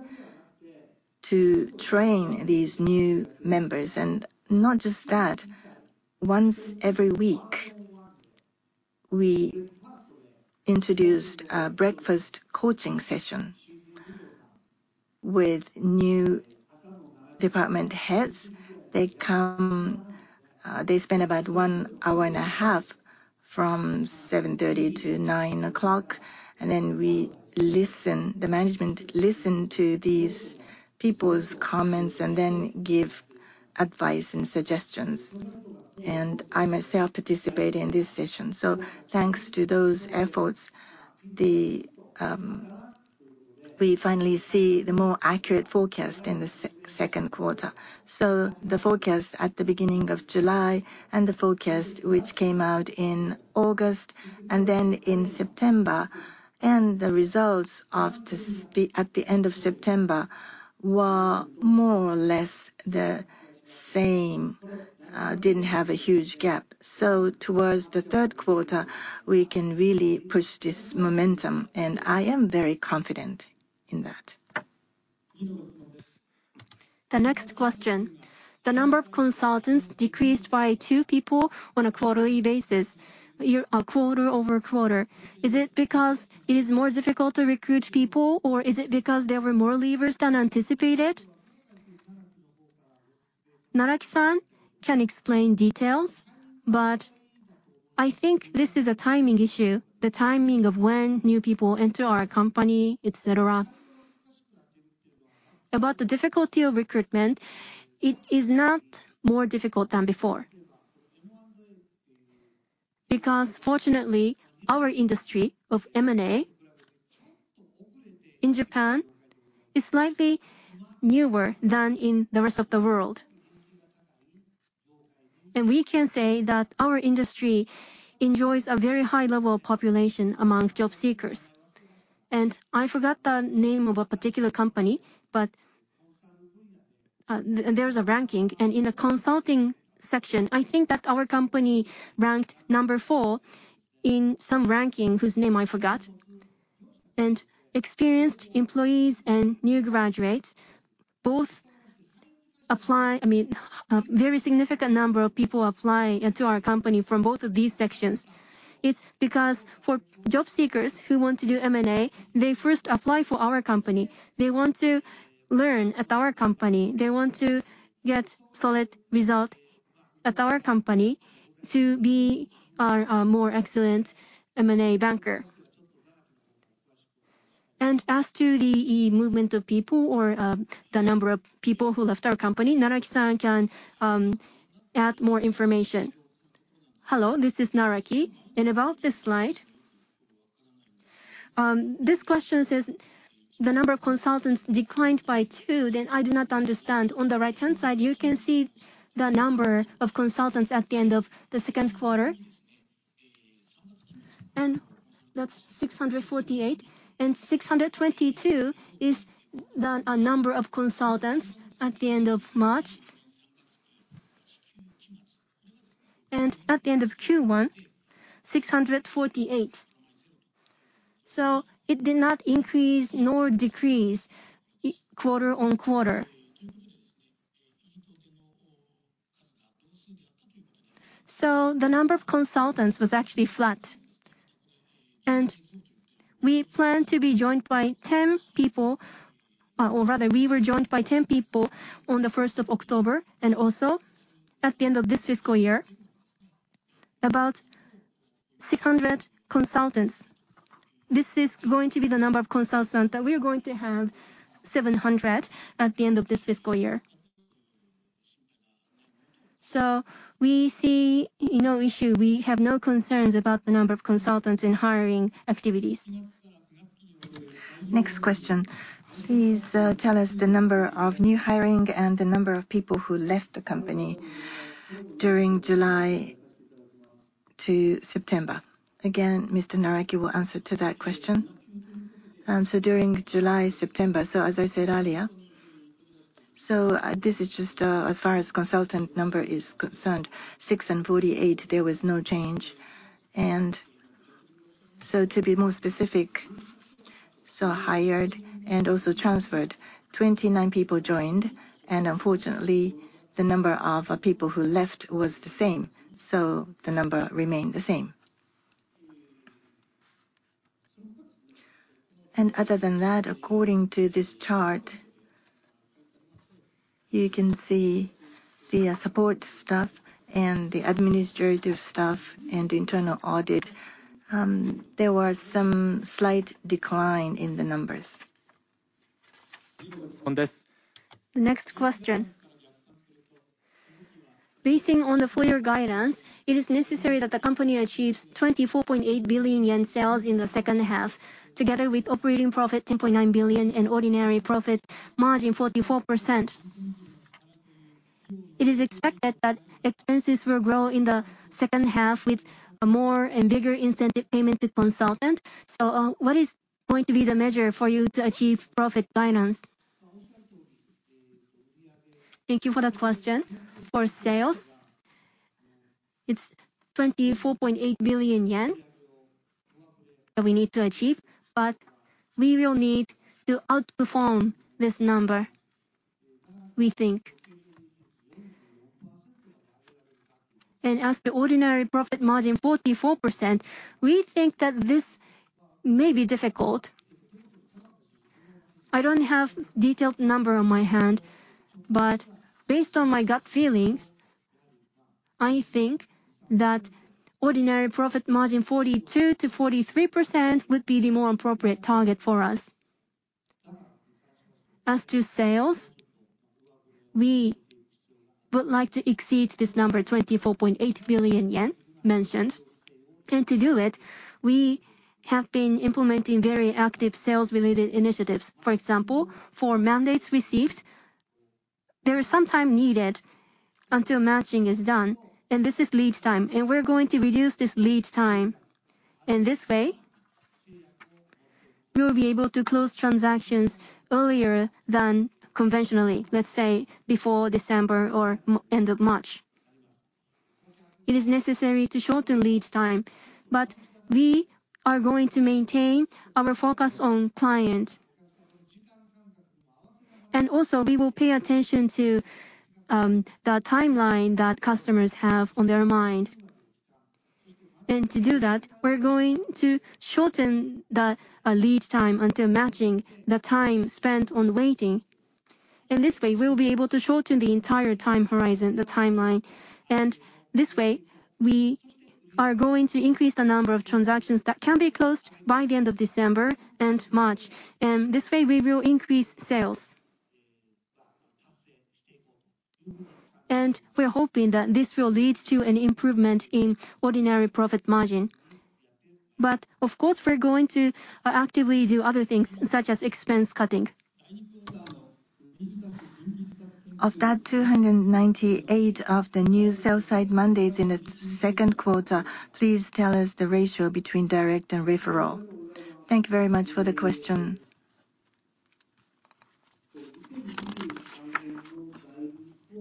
to train these new members. And not just that, once every week, we introduced a breakfast coaching session with new department heads. They come, they spend about one hour and a half from 7:30 A.M. to 9:00 A.M., and then we listen, the management listen to these people's comments and then give advice and suggestions. And I myself participate in this session. So thanks to those efforts, we finally see the more accurate forecast in the second quarter. The forecast at the beginning of July, and the forecast which came out in August, and then in September, and the results at the end of September, were more or less the same.... didn't have a huge gap. So towards the third quarter, we can really push this momentum, and I am very confident in that. The next question: the number of consultants decreased by two people on a quarterly basis, year-over-quarter. Is it because it is more difficult to recruit people, or is it because there were more leavers than anticipated? Naraki-san can explain details, but I think this is a timing issue, the timing of when new people enter our company, et cetera. About the difficulty of recruitment, it is not more difficult than before. Because fortunately, our industry of M&A in Japan is slightly newer than in the rest of the world. We can say that our industry enjoys a very high level of population among job seekers. I forgot the name of a particular company, but there's a ranking, and in the consulting section, I think that our company ranked number four in some ranking, whose name I forgot. Experienced employees and new graduates both apply... I mean, a very significant number of people applying into our company from both of these sections. It's because for job seekers who want to do M&A, they first apply for our company. They want to learn at our company. They want to get solid result at our company to be a more excellent M&A banker. As to the movement of people or the number of people who left our company, Naraki-san can add more information. Hello, this is Naraki. About this slide, this question says the number of consultants declined by two, then I do not understand. On the right-hand side, you can see the number of consultants at the end of the second quarter, and that's 648, and 622 is the number of consultants at the end of March. At the end of Q1, 648. So it did not increase nor decrease quarter-on-quarter. So the number of consultants was actually flat, and we plan to be joined by 10 people, or rather, we were joined by 10 people on the first of October, and also at the end of this fiscal year, about 600 consultants. This is going to be the number of consultants that we're going to have 700 at the end of this fiscal year. We see no issue. We have no concerns about the number of consultants in hiring activities. Next question. Please, tell us the number of new hiring and the number of people who left the company during July to September? Again, Mr. Naraki will answer to that question. So during July to September, so as I said earlier, so, this is just, as far as consultant number is concerned, 648, there was no change. And so to be more specific, so hired and also transferred, 29 people joined, and unfortunately, the number of, people who left was the same. The number remained the same. And other than that, according to this chart, you can see the, support staff and the administrative staff and internal audit, there was some slight decline in the numbers. Next question. Based on the full year guidance, it is necessary that the company achieves 24.8 billion yen sales in the second half, together with operating profit 10.9 billion and ordinary profit margin 44%. It is expected that expenses will grow in the second half with a more and bigger incentive payment to consultants. So, what is going to be the measure for you to achieve profit guidance? Thank you for that question. For sales, it's 24.8 billion yen that we need to achieve, but we will need to outperform this number, we think. And as to ordinary profit margin 44%, we think that this may be difficult. I don't have detailed number at hand, but based on my gut feelings, I think that ordinary profit margin 42%-43% would be the more appropriate target for us. As to sales, we would like to exceed this number, 24.8 billion yen mentioned. To do it, we have been implementing very active sales-related initiatives. For example, for mandates received, there is some time needed until matching is done, and this is lead time, and we're going to reduce this lead time. In this way, we will be able to close transactions earlier than conventionally, let's say before December or end of March. It is necessary to shorten lead time, but we are going to maintain our focus on clients. Also, we will pay attention to the timeline that customers have on their mind. To do that, we're going to shorten the lead time until matching, the time spent on waiting. In this way, we will be able to shorten the entire time horizon, the timeline, and this way, we are going to increase the number of transactions that can be closed by the end of December and March. And this way, we will increase sales. And we're hoping that this will lead to an improvement in ordinary profit margin. But of course, we're going to actively do other things, such as expense cutting. Of that 298 of the new sell-side mandates in the second quarter, please tell us the ratio between direct and referral? Thank you very much for the question.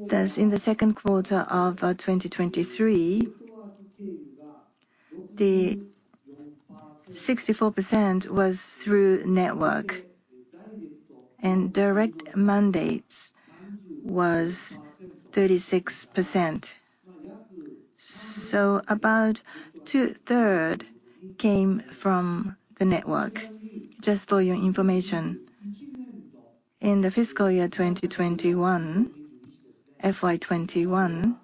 Thus, in the second quarter of 2023, the 64% was through network, and direct mandates was 36%. So about 2/3 came from the network. Just for your information, in the fiscal year 2021, FY 2021,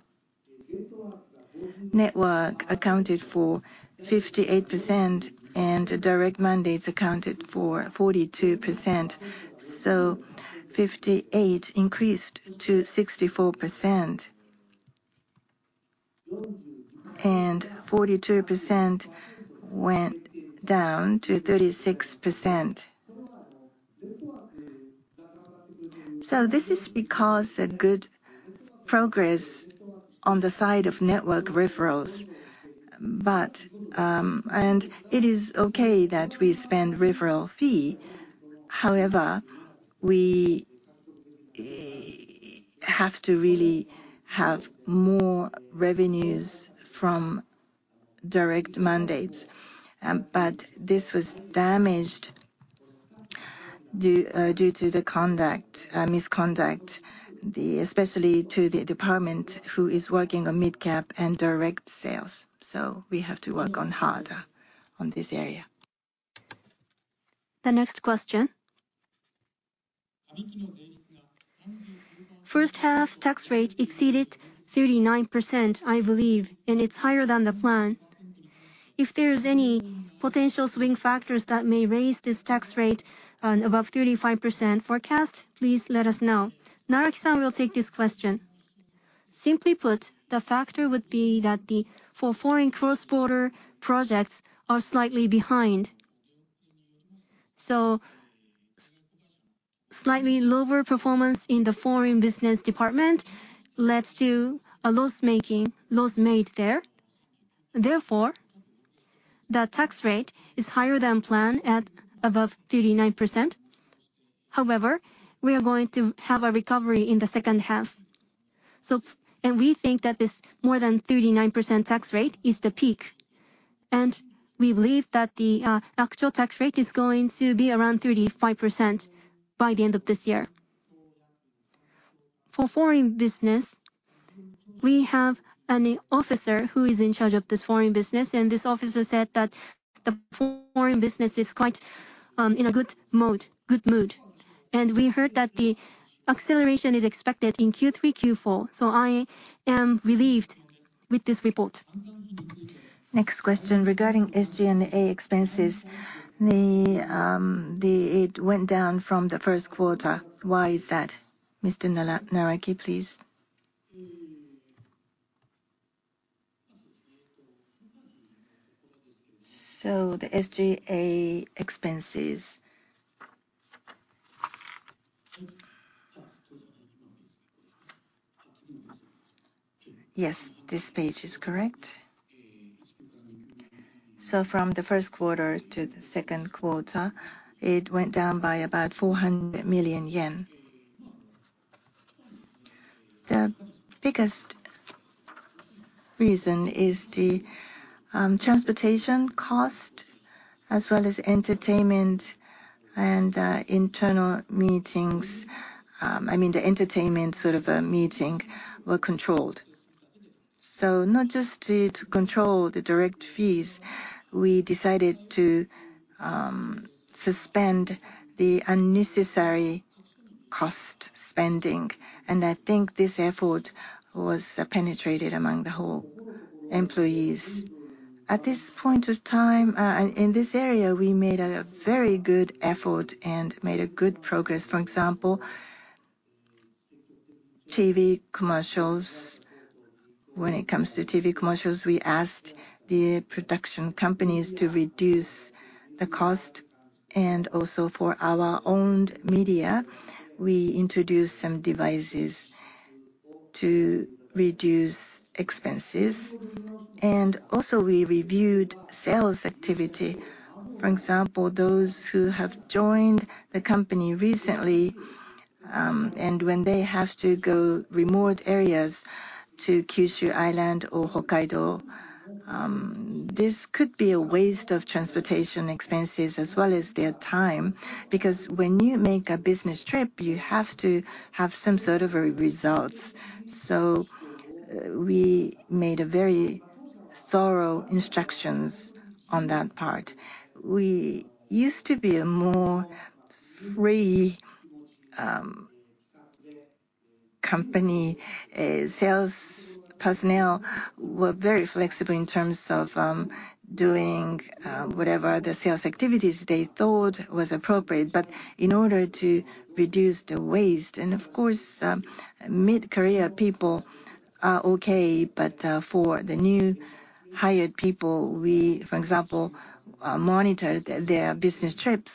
network accounted for 58%, and direct mandates accounted for 42%. So 58% increased to 64%, and 42% went down to 36%. So this is because a good progress on the side of network referrals. But and it is okay that we spend referral fee, however, we have to really have more revenues from direct mandates. But this was damaged due to the conduct, misconduct, especially to the department who is working on mid-cap and direct sales. So we have to work on harder on this area. The next question. First half tax rate exceeded 39%, I believe, and it's higher than the plan. If there is any potential swing factors that may raise this tax rate above 35% forecast, please let us know. Naraki-san will take this question. Simply put, the factor would be that the foreign cross-border projects are slightly behind. So slightly lower performance in the foreign business department led to a loss making, loss made there. Therefore, the tax rate is higher than planned at above 39%. However, we are going to have a recovery in the second half. So, and we think that this more than 39% tax rate is the peak, and we believe that the actual tax rate is going to be around 35% by the end of this year. For foreign business, we have an officer who is in charge of this foreign business, and this officer said that the foreign business is quite in a good mode, good mood. And we heard that the acceleration is expected in Q3, Q4, so I am relieved with this report. Next question. Regarding SG&A expenses, it went down from the first quarter. Why is that? Mr. Naraki, please. So the SG&A expenses... Yes, this page is correct. So from the first quarter to the second quarter, it went down by about 400 million yen. The biggest reason is the transportation cost, as well as entertainment and internal meetings. I mean, the entertainment sort of meeting were controlled. So not just to control the direct fees, we decided to suspend the unnecessary cost spending, and I think this effort was penetrated among the whole employees. At this point of time, in this area, we made a very good effort and made a good progress. For example, TV commercials. When it comes to TV commercials, we asked the production companies to reduce the cost, and also for our own media, we introduced some devices to reduce expenses, and also we reviewed sales activity. For example, those who have joined the company recently, and when they have to go remote areas to Kyushu Island or Hokkaido, this could be a waste of transportation expenses as well as their time, because when you make a business trip, you have to have some sort of a results. So we made a very thorough instructions on that part. We used to be a more free company. Sales personnel were very flexible in terms of doing whatever the sales activities they thought was appropriate. But in order to reduce the waste, and of course, mid-career people are okay, but for the new hired people, we, for example, monitor their business trips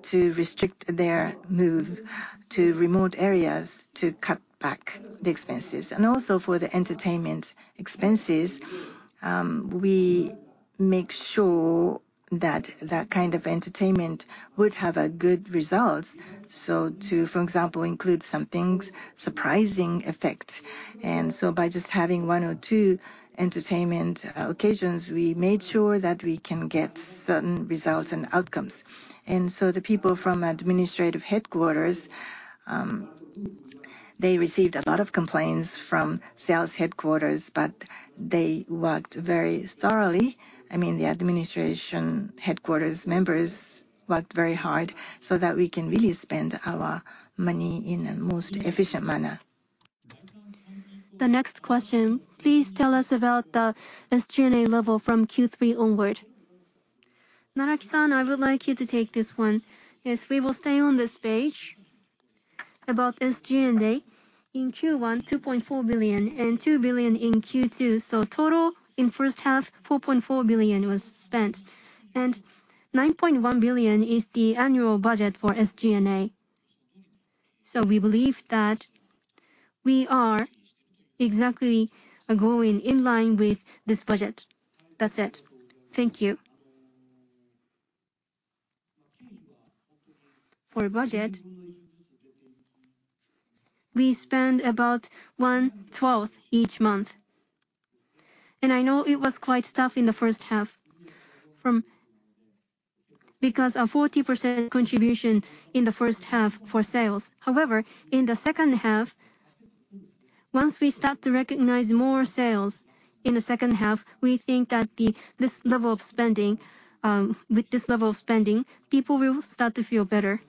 to restrict their move to remote areas to cut back the expenses. And also for the entertainment expenses, we make sure that that kind of entertainment would have a good results. So, for example, to include something surprising effect. And so by just having one or two entertainment occasions, we made sure that we can get certain results and outcomes. And so the people from administrative headquarters, they received a lot of complaints from sales headquarters, but they worked very thoroughly. I mean, the administration headquarters members worked very hard so that we can really spend our money in a most efficient manner. The next question: please tell us about the SG&A level from Q3 onward. Naraki-san, I would like you to take this one. Yes, we will stay on this page. About SG&A, in Q1, 2.4 billion, and 2 billion in Q2, so total in first half, 4.4 billion was spent. And 9.1 billion is the annual budget for SG&A. So we believe that we are exactly going in line with this budget. That's it. Thank you. For budget, we spend about 1/12 each month, and I know it was quite tough in the first half from... because a 40% contribution in the first half for sales. However, in the second half, once we start to recognize more sales in the second half, we think that the this level of spending with this level of spending, people will start to feel better.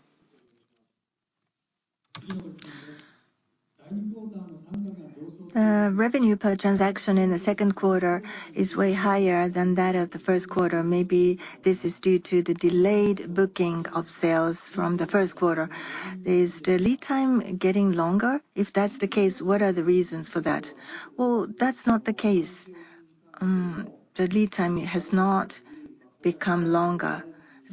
Revenue per transaction in the second quarter is way higher than that of the first quarter. Maybe this is due to the delayed booking of sales from the first quarter. Is the lead time getting longer? If that's the case, what are the reasons for that? Well, that's not the case. The lead time has not become longer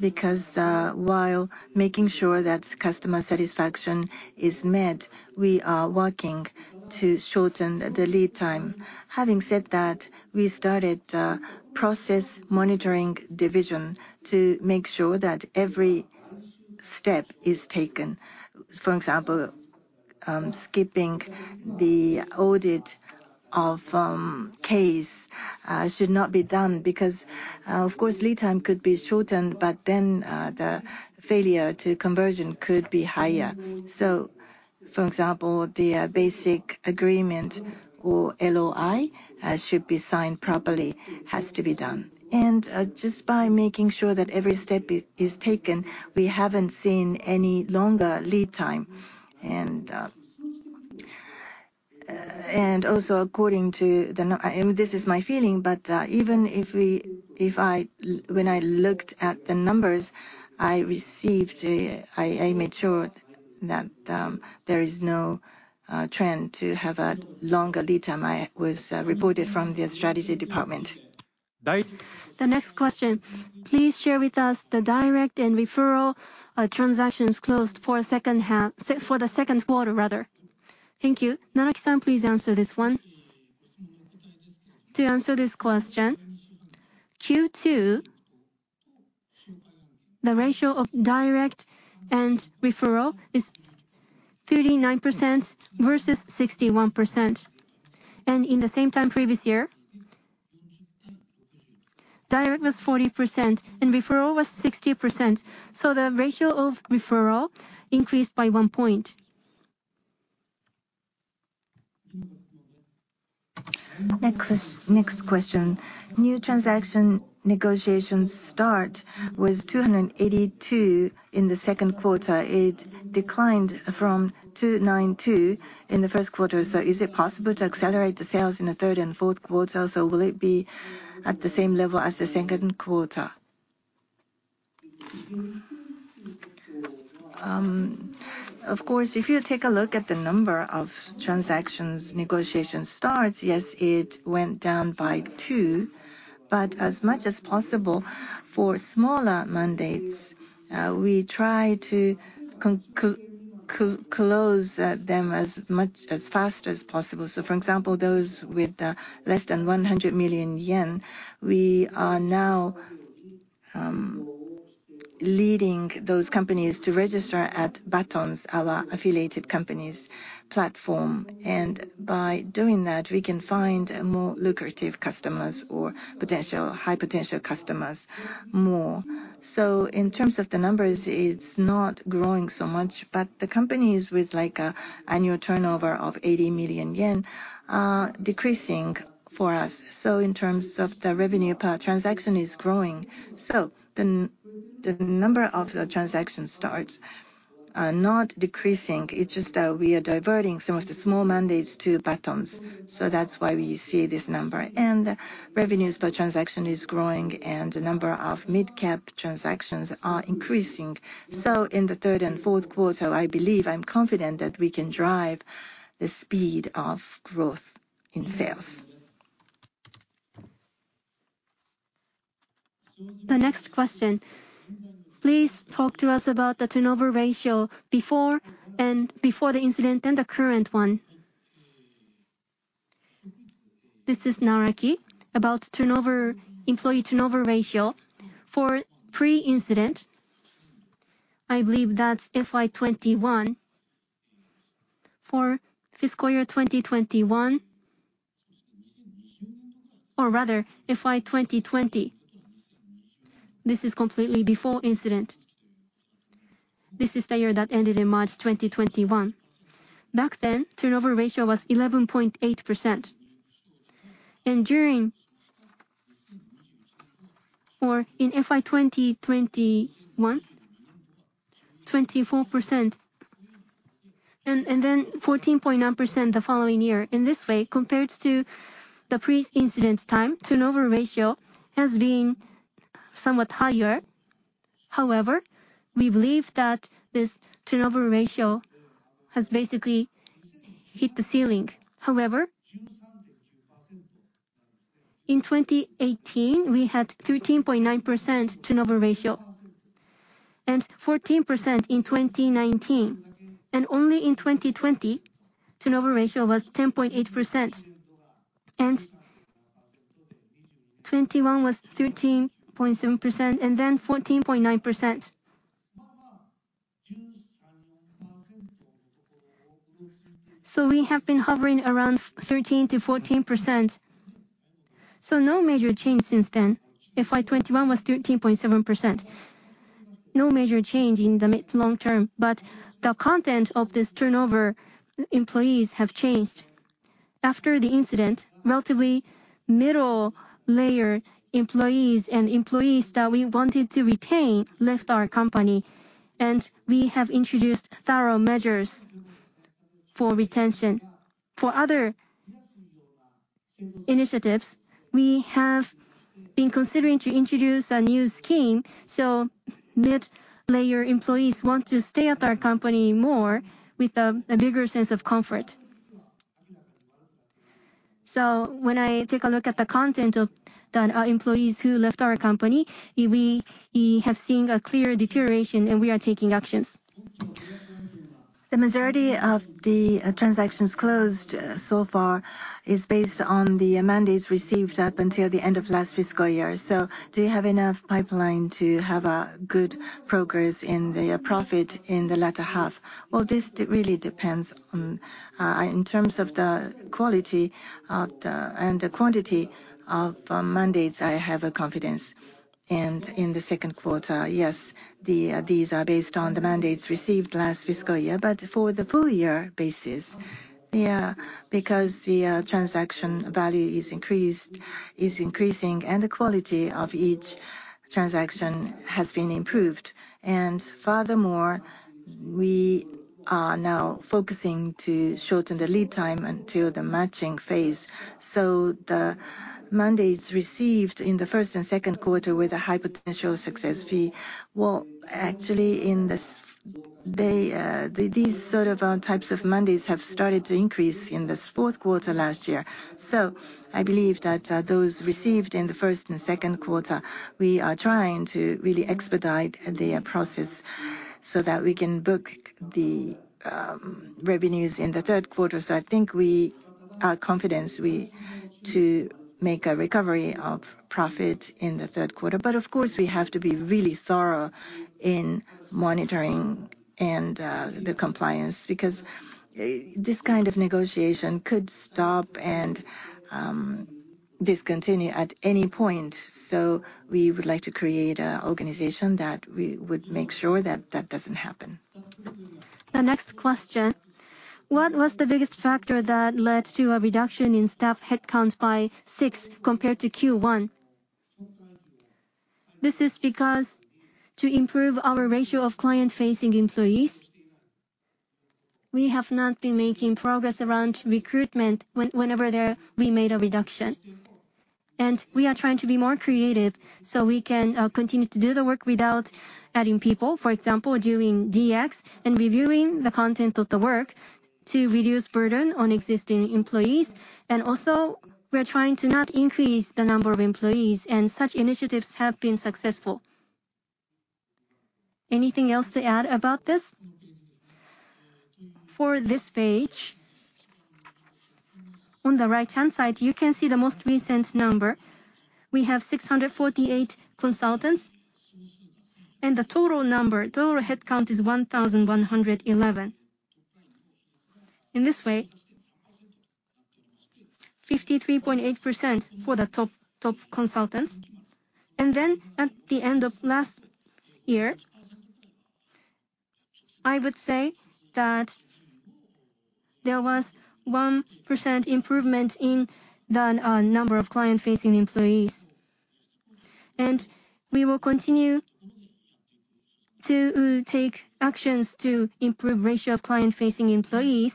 because, while making sure that customer satisfaction is met, we are working to shorten the lead time. Having said that, we started a process monitoring division to make sure that every step is taken. For example, skipping the audit of case should not be done because, of course, lead time could be shortened, but then, the failure to conversion could be higher. So for example, the basic agreement or LOI should be signed properly, has to be done. Just by making sure that every step is taken, we haven't seen any longer lead time. Also according to this, this is my feeling, but even if we, if I, when I looked at the numbers I received, I made sure that there is no trend to have a longer lead time. I was reported from the strategy department. The next question: Please share with us the direct and referral transactions closed for second half, for the second quarter rather. Thank you. Naraki-san, please answer this one. To answer this question, Q2, the ratio of direct and referral is 39% versus 61%, and in the same time previous year, direct was 40% and referral was 60%, so the ratio of referral increased by one point. Next question. New transaction negotiations start was 282 in the second quarter. It declined from 292 in the first quarter, so is it possible to accelerate the sales in the third and fourth quarter, or will it be at the same level as the second quarter? Of course, if you take a look at the number of transactions negotiation starts, yes, it went down by two, but as much as possible for smaller mandates. We try to close them as much as possible, as fast as possible. So for example, those with less than 100 million yen, we are now leading those companies to register at Batonz, our affiliated company's platform. And by doing that, we can find more lucrative customers or potential, high-potential customers more. So in terms of the numbers, it's not growing so much, but the companies with, like, an annual turnover of 80 million yen are decreasing for us. So in terms of the revenue per transaction is growing. So the number of the transaction starts are not decreasing. It's just that we are diverting some of the small mandates to Batonz, so that's why we see this number. And revenues per transaction is growing, and the number of mid-cap transactions are increasing. So in the third and fourth quarter, I believe I'm confident that we can drive the speed of growth in sales. The next question: Please talk to us about the turnover ratio before and before the incident and the current one. This is Naraki. About turnover, employee turnover ratio. For pre-incident, I believe that's FY 2021. For fiscal year 2021, or rather FY 2020, this is completely before incident. This is the year that ended in March 2021. Back then, turnover ratio was 11.8%. And during or in FY 2021, 24% and, and then 14.9% the following year. In this way, compared to the pre-incident time, turnover ratio has been somewhat higher. However, we believe that this turnover ratio has basically hit the ceiling. However, in 2018, we had 13.9% turnover ratio and 14% in 2019, and only in 2020 turnover ratio was 10.8%, and 2021 was 13.7% and then 14.9%. So we have been hovering around 13%-14%, so no major change since then. FY 2021 was 13.7%. No major change in the mid- to long-term, but the content of this turnover, employees have changed. After the incident, relatively middle-layer employees and employees that we wanted to retain left our company, and we have introduced thorough measures for retention. For other initiatives, we have been considering to introduce a new scheme, so mid-layer employees want to stay at our company more with a bigger sense of comfort. So when I take a look at the content of the employees who left our company, we have seen a clear deterioration, and we are taking actions. The majority of the transactions closed so far is based on the mandates received up until the end of last fiscal year. So do you have enough pipeline to have a good progress in the profit in the latter half? Well, this really depends on, in terms of the quality and the quantity of mandates, I have a confidence. And in the second quarter, yes, these are based on the mandates received last fiscal year. But for the full year basis, yeah, because the transaction value is increased, is increasing, and the quality of each transaction has been improved. And furthermore, we are now focusing to shorten the lead time until the matching phase. So the mandates received in the first and second quarter with a high potential success fee, well, actually, these sort of types of mandates have started to increase in the fourth quarter last year. So I believe that, those received in the first and second quarter, we are trying to really expedite the process so that we can book the revenues in the third quarter. So I think we are confident to make a recovery of profit in the third quarter. But of course, we have to be really thorough in monitoring and the compliance, because this kind of negotiation could stop and discontinue at any point. So we would like to create a organization that we would make sure that that doesn't happen. The next question: What was the biggest factor that led to a reduction in staff headcount by 6 compared to Q1? This is because to improve our ratio of client-facing employees, we have not been making progress around recruitment whenever we made a reduction. And we are trying to be more creative so we can continue to do the work without adding people, for example, doing DX and reviewing the content of the work to reduce burden on existing employees, and also we're trying to not increase the number of employees, and such initiatives have been successful. Anything else to add about this? For this page, on the right-hand side, you can see the most recent number. We have 648 consultants, and the total number, total head count is 1,111. In this way, 53.8% for the top, top consultants. Then at the end of last year, I would say that there was 1% improvement in the number of client-facing employees. And we will continue to take actions to improve ratio of client-facing employees.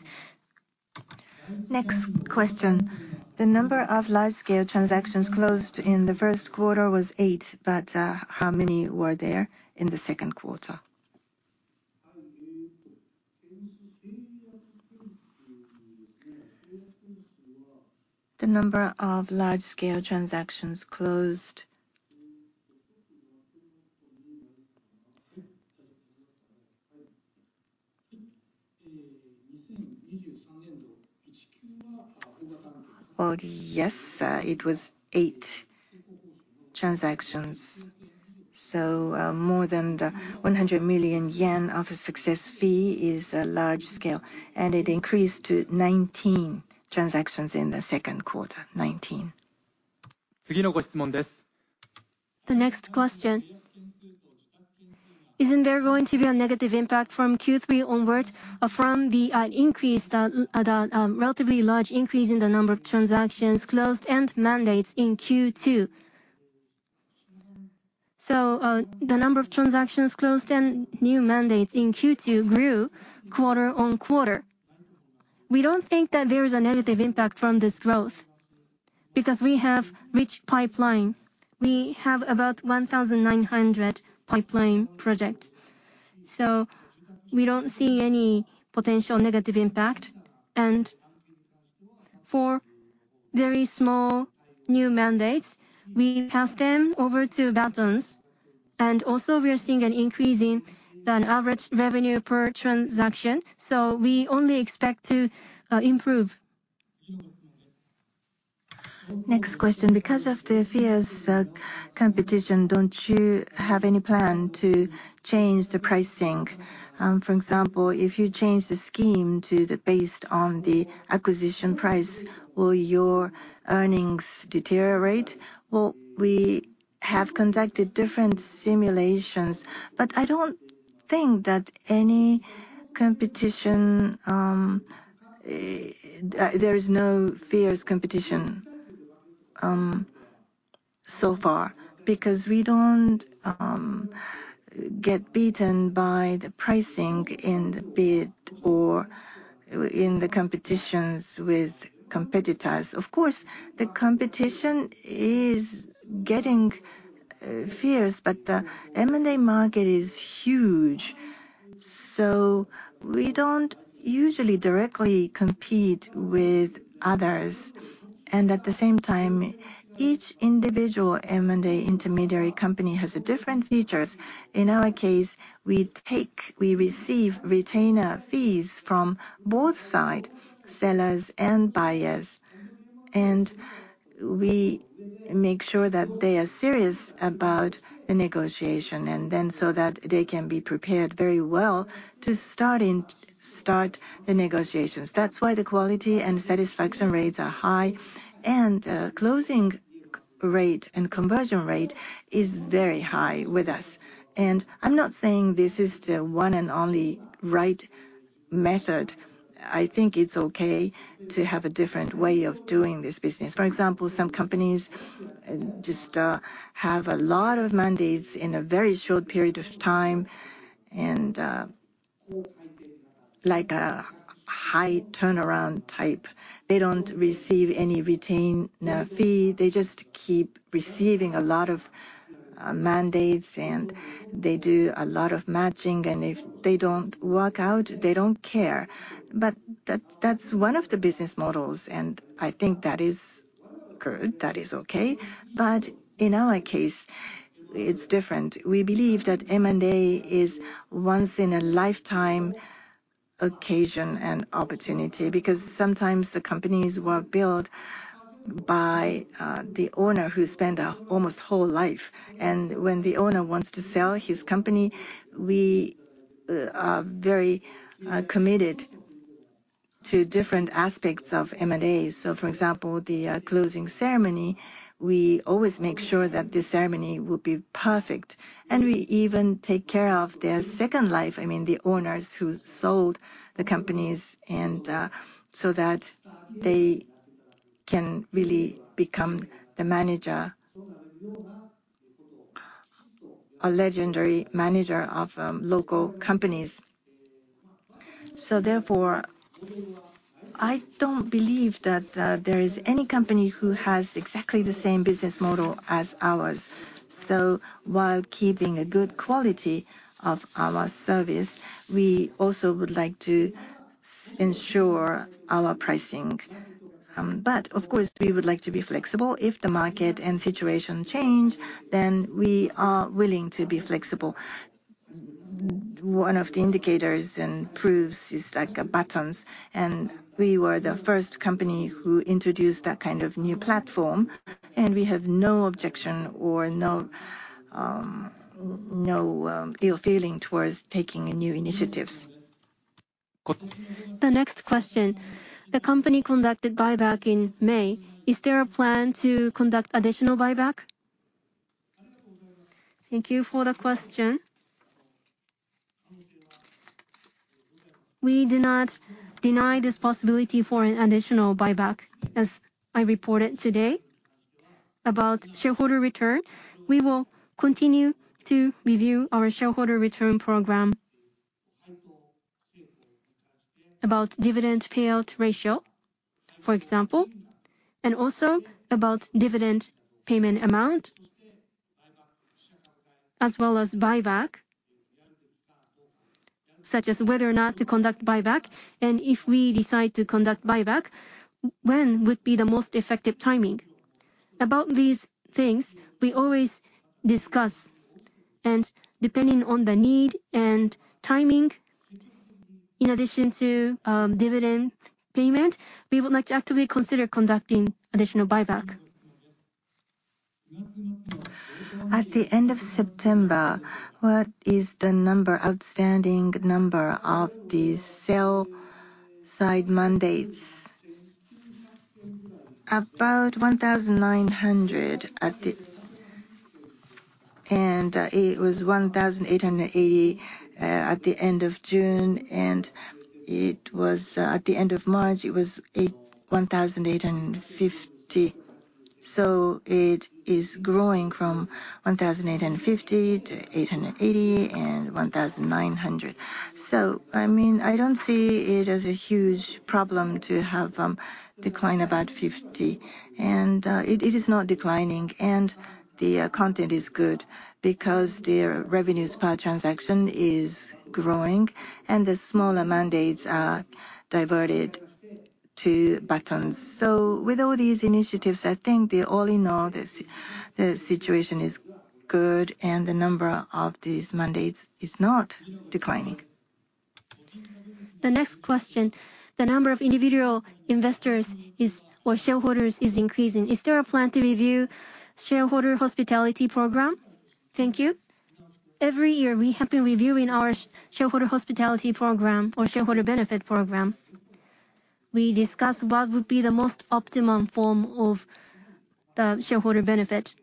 Next question: The number of large-scale transactions closed in the first quarter was eight, but how many were there in the second quarter? The number of large-scale transactions closed... Well, yes, it was eight transactions, so more than 100 million yen of success fee is a large scale, and it increased to 19 transactions in the second quarter. Nineteen. The next question: Isn't there going to be a negative impact from Q3 onwards, from the relatively large increase in the number of transactions closed and mandates in Q2? So, the number of transactions closed and new mandates in Q2 grew quarter-on-quarter. We don't think that there is a negative impact from this growth because we have rich pipeline. We have about 1,900 pipeline projects, so we don't see any potential negative impact. And for very small new mandates, we pass them over to Batonz, and also we are seeing an increase in an average revenue per transaction, so we only expect to improve. Next question: Because of the fierce competition, don't you have any plan to change the pricing? For example, if you change the scheme to the, based on the acquisition price, will your earnings deteriorate? Well, we have conducted different simulations, but I don't think that any competition. There is no fierce competition so far, because we don't get beaten by the pricing in the bid or in the competitions with competitors. Of course, the competition is getting fierce, but the M&A market is huge, so we don't usually directly compete with others. And at the same time, each individual M&A intermediary company has different features. In our case, we take, we receive retainer fees from both sides, sellers and buyers, and we make sure that they are serious about the negotiation, and then so that they can be prepared very well to start the negotiations. That's why the quality and satisfaction rates are high, and closing rate and conversion rate is very high with us. I'm not saying this is the one and only right method. I think it's okay to have a different way of doing this business. For example, some companies just have a lot of mandates in a very short period of time and like a high turnaround type. They don't receive any retainer fee. They just keep receiving a lot of mandates, and they do a lot of matching, and if they don't work out, they don't care. But that, that's one of the business models, and I think that is good. That is okay. But in our case, it's different. We believe that M&A is once-in-a-lifetime occasion and opportunity, because sometimes the companies were built by, the owner who spent, almost whole life. And when the owner wants to sell his company, we, are very, committed to different aspects of M&A. So, for example, the, closing ceremony, we always make sure that the ceremony will be perfect, and we even take care of their second life, I mean, the owners who sold the companies, and, so that they can really become the manager, a legendary manager of, local companies. So therefore-... I don't believe that, there is any company who has exactly the same business model as ours. So while keeping a good quality of our service, we also would like to ensure our pricing. But of course, we would like to be flexible. If the market and situation change, then we are willing to be flexible. One of the indicators and proofs is like Batonz, and we were the first company who introduced that kind of new platform, and we have no objection or no ill feeling towards taking new initiatives. The next question: The company conducted buyback in May. Is there a plan to conduct additional buyback? Thank you for the question. We do not deny this possibility for an additional buyback, as I reported today. About shareholder return, we will continue to review our shareholder return program. About dividend payout ratio, for example, and also about dividend payment amount, as well as buyback, such as whether or not to conduct buyback, and if we decide to conduct buyback, when would be the most effective timing? About these things, we always discuss, and depending on the need and timing, in addition to dividend payment, we would like to actively consider conducting additional buyback. At the end of September, what is the number, outstanding number of the sell-side mandates? About 1,900 at the... It was 1,880 at the end of June, and at the end of March, it was 1,850. It is growing from 1,850 to 1,880 and 1,900. So I mean, I don't see it as a huge problem to have decline about 50. And it is not declining, and the content is good because their revenues per transaction is growing and the smaller mandates are diverted to Batonz. So with all these initiatives, I think the all in all, the situation is good, and the number of these mandates is not declining. The next question. The number of individual investors is, or shareholders is increasing. Is there a plan to review shareholder hospitality program? Thank you. Every year, we have been reviewing our shareholder hospitality program or shareholder benefit program. We discuss what would be the most optimum form of the shareholder benefit.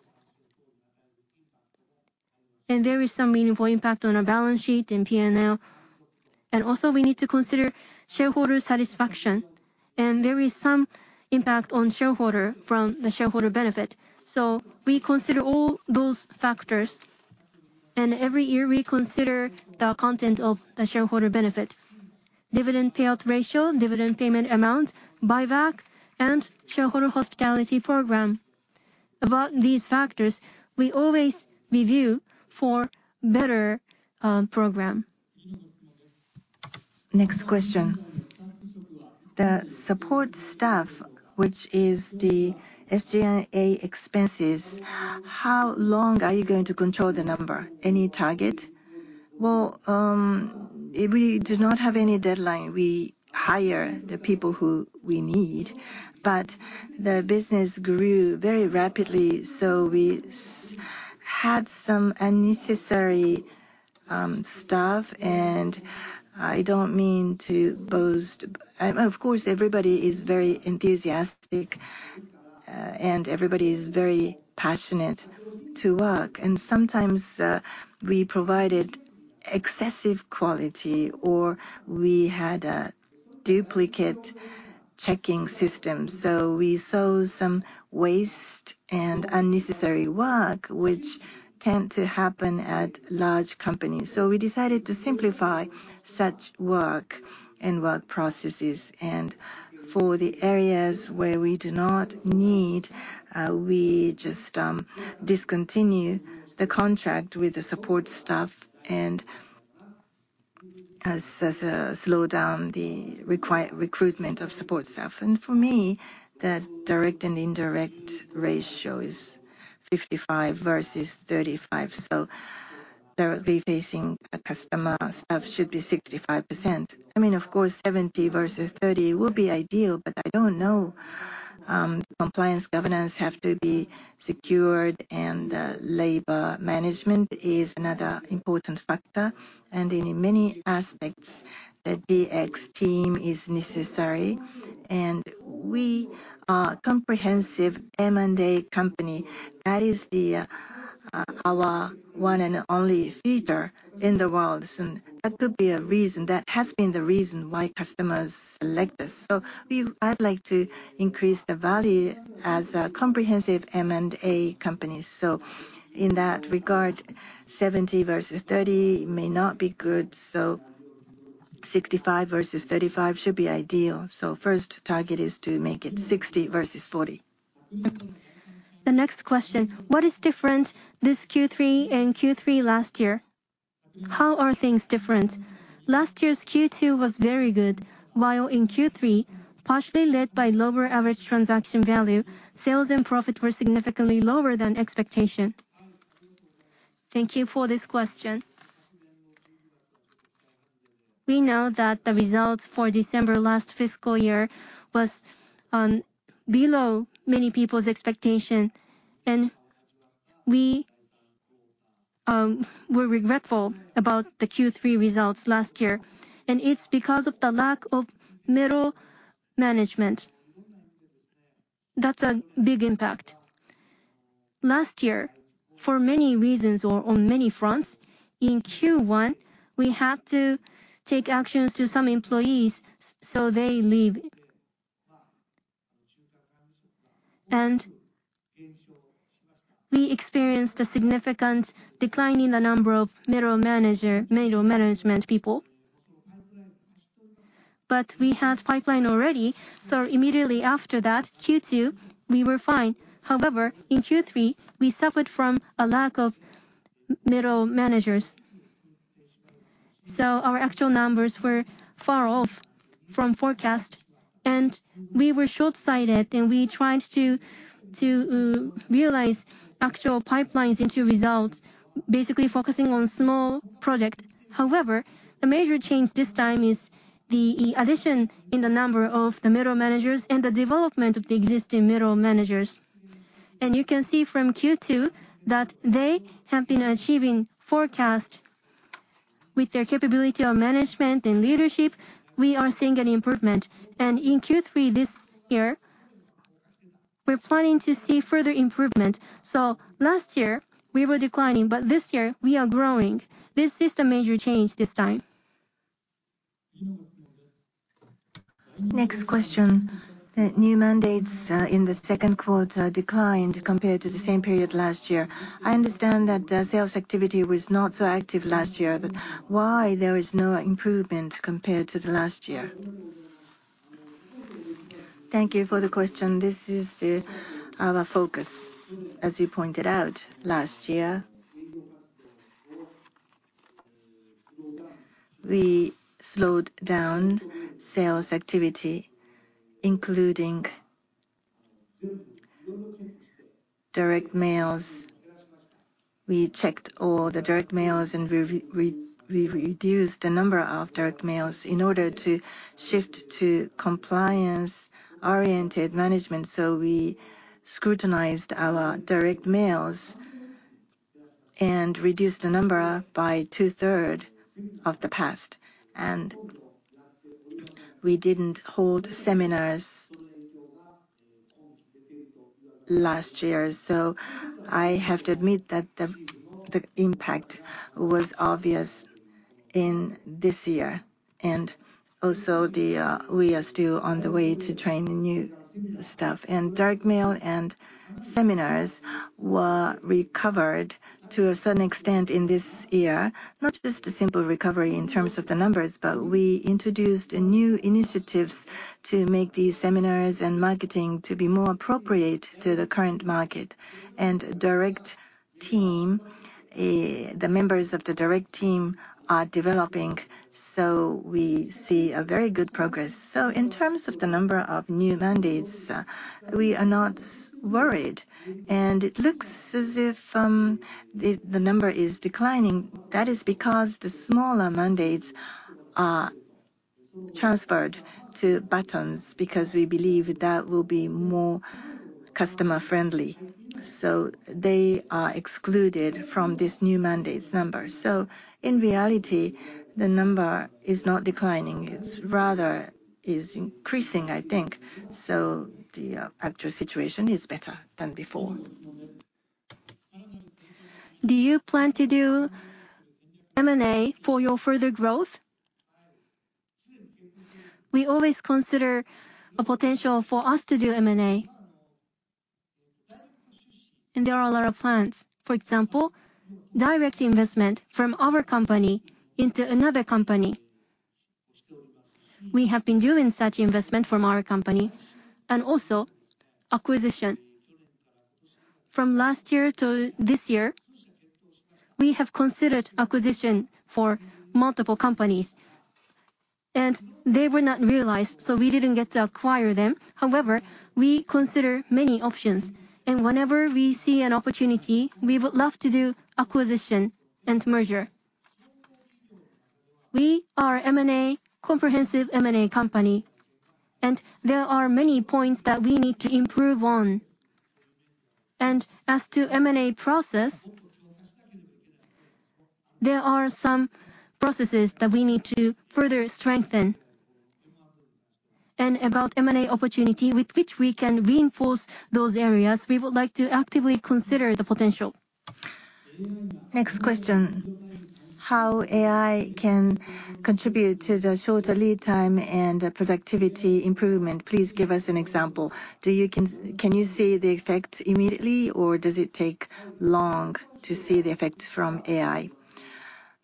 And there is some meaningful impact on our balance sheet and P&L. And also, we need to consider shareholder satisfaction, and there is some impact on shareholder from the shareholder benefit. So we consider all those factors, and every year we consider the content of the shareholder benefit. Dividend payout ratio, dividend payment amount, buyback, and shareholder hospitality program. About these factors, we always review for better program. Next question. The support staff, which is the SG&A expenses, how long are you going to control the number? Any target? Well, we do not have any deadline. We hire the people who we need, but the business grew very rapidly, so we had some unnecessary staff, and I don't mean to boast. Of course, everybody is very enthusiastic, and everybody is very passionate to work, and sometimes we provided excessive quality or we had a duplicate checking system. So we saw some waste and unnecessary work, which tend to happen at large companies. So we decided to simplify such work and work processes. And for the areas where we do not need, we just discontinue the contract with the support staff and slow down the recruitment of support staff. And for me, the direct and indirect ratio is 55 versus 35, so directly facing a customer staff should be 65%. I mean, of course, 70 versus 30 will be ideal, but I don't know. Compliance governance have to be secured, and labor management is another important factor. And in many aspects, the DX team is necessary, and we are comprehensive M&A company. That is our one and only feature in the world. So that could be a reason that has been the reason why customers select us. So we, I'd like to increase the value as a comprehensive M&A company. So in that regard, 70 versus 30 may not be good, so-... 65 versus 35 should be ideal. So first target is to make it 60 versus 40. The next question: What is different this Q3 and Q3 last year? How are things different? Last year's Q2 was very good, while in Q3, partially led by lower average transaction value, sales and profit were significantly lower than expectation. Thank you for this question. We know that the results for December last fiscal year was below many people's expectation, and we were regretful about the Q3 results last year, and it's because of the lack of middle management. That's a big impact. Last year, for many reasons or on many fronts, in Q1, we had to take actions to some employees so they leave. We experienced a significant decline in the number of middle manager, middle management people. We had pipeline already, so immediately after that, Q2, we were fine. However, in Q3, we suffered from a lack of middle managers. So our actual numbers were far off from forecast, and we were short-sighted, and we tried to realize actual pipelines into results, basically focusing on small project. However, the major change this time is the addition in the number of the middle managers and the development of the existing middle managers. And you can see from Q2 that they have been achieving forecast. With their capability on management and leadership, we are seeing an improvement. And in Q3, this year, we're planning to see further improvement. So last year, we were declining, but this year we are growing. This is the major change this time. Next question. New mandates in the second quarter declined compared to the same period last year. I understand that sales activity was not so active last year, but why there is no improvement compared to the last year? Thank you for the question. This is our focus. As you pointed out, last year, we slowed down sales activity, including direct mails. We checked all the direct mails, and we reduced the number of direct mails in order to shift to compliance-oriented management. So we scrutinized our direct mails and reduced the number by 2/3 of the past, and we didn't hold seminars last year. So I have to admit that the impact was obvious in this year. And also, we are still on the way to train the new staff. Direct mail and seminars were recovered to a certain extent in this year. Not just a simple recovery in terms of the numbers, but we introduced new initiatives to make these seminars and marketing to be more appropriate to the current market. And the direct team, the members of the direct team are developing, so we see a very good progress. So in terms of the number of new mandates, we are not worried, and it looks as if the number is declining. That is because the smaller mandates are transferred to Batonz, because we believe that will be more customer-friendly. So they are excluded from this new mandates number. So in reality, the number is not declining. It's rather is increasing, I think. So the actual situation is better than before. Do you plan to do M&A for your further growth? We always consider a potential for us to do M&A. There are a lot of plans. For example, direct investment from our company into another company. We have been doing such investment from our company and also acquisition. From last year to this year, we have considered acquisition for multiple companies, and they were not realized, so we didn't get to acquire them. However, we consider many options, and whenever we see an opportunity, we would love to do acquisition and merger. We are M&A, comprehensive M&A company, and there are many points that we need to improve on. As to M&A process, there are some processes that we need to further strengthen. About M&A opportunity with which we can reinforce those areas, we would like to actively consider the potential. Next question, how can AI contribute to the shorter lead time and productivity improvement? Please give us an example. Can you see the effect immediately, or does it take long to see the effect from AI?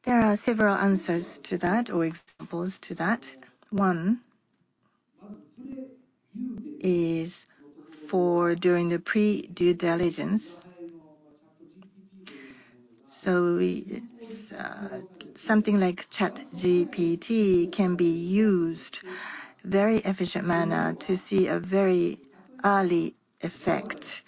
There are several answers to that or examples to that. One...... is for during pre-due diligence. so we, something like ChatGPT can be used very efficient manner to see a very early effect,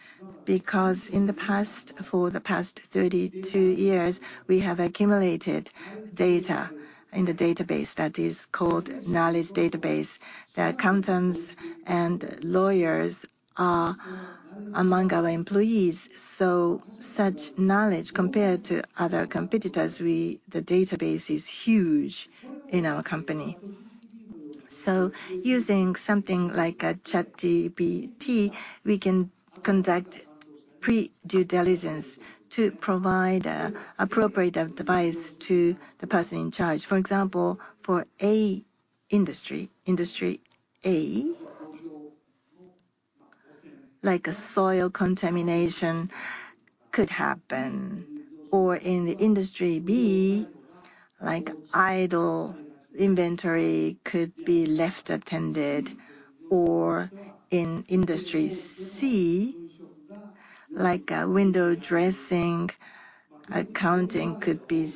because in the past, for the past 32 years, we have accumulated data in the database that is called knowledge database. The accountants and lawyers are among our employees, so such knowledge, compared to other competitors, we the database is huge in our company. So using something like a ChatGPT, we can pre-due diligence to provide appropriate advice to the person in charge. For example, for A industry, industry A, like a soil contamination could happen, or in the industry B, like idle inventory could be left unattended, or in industry C, like a window dressing accounting could be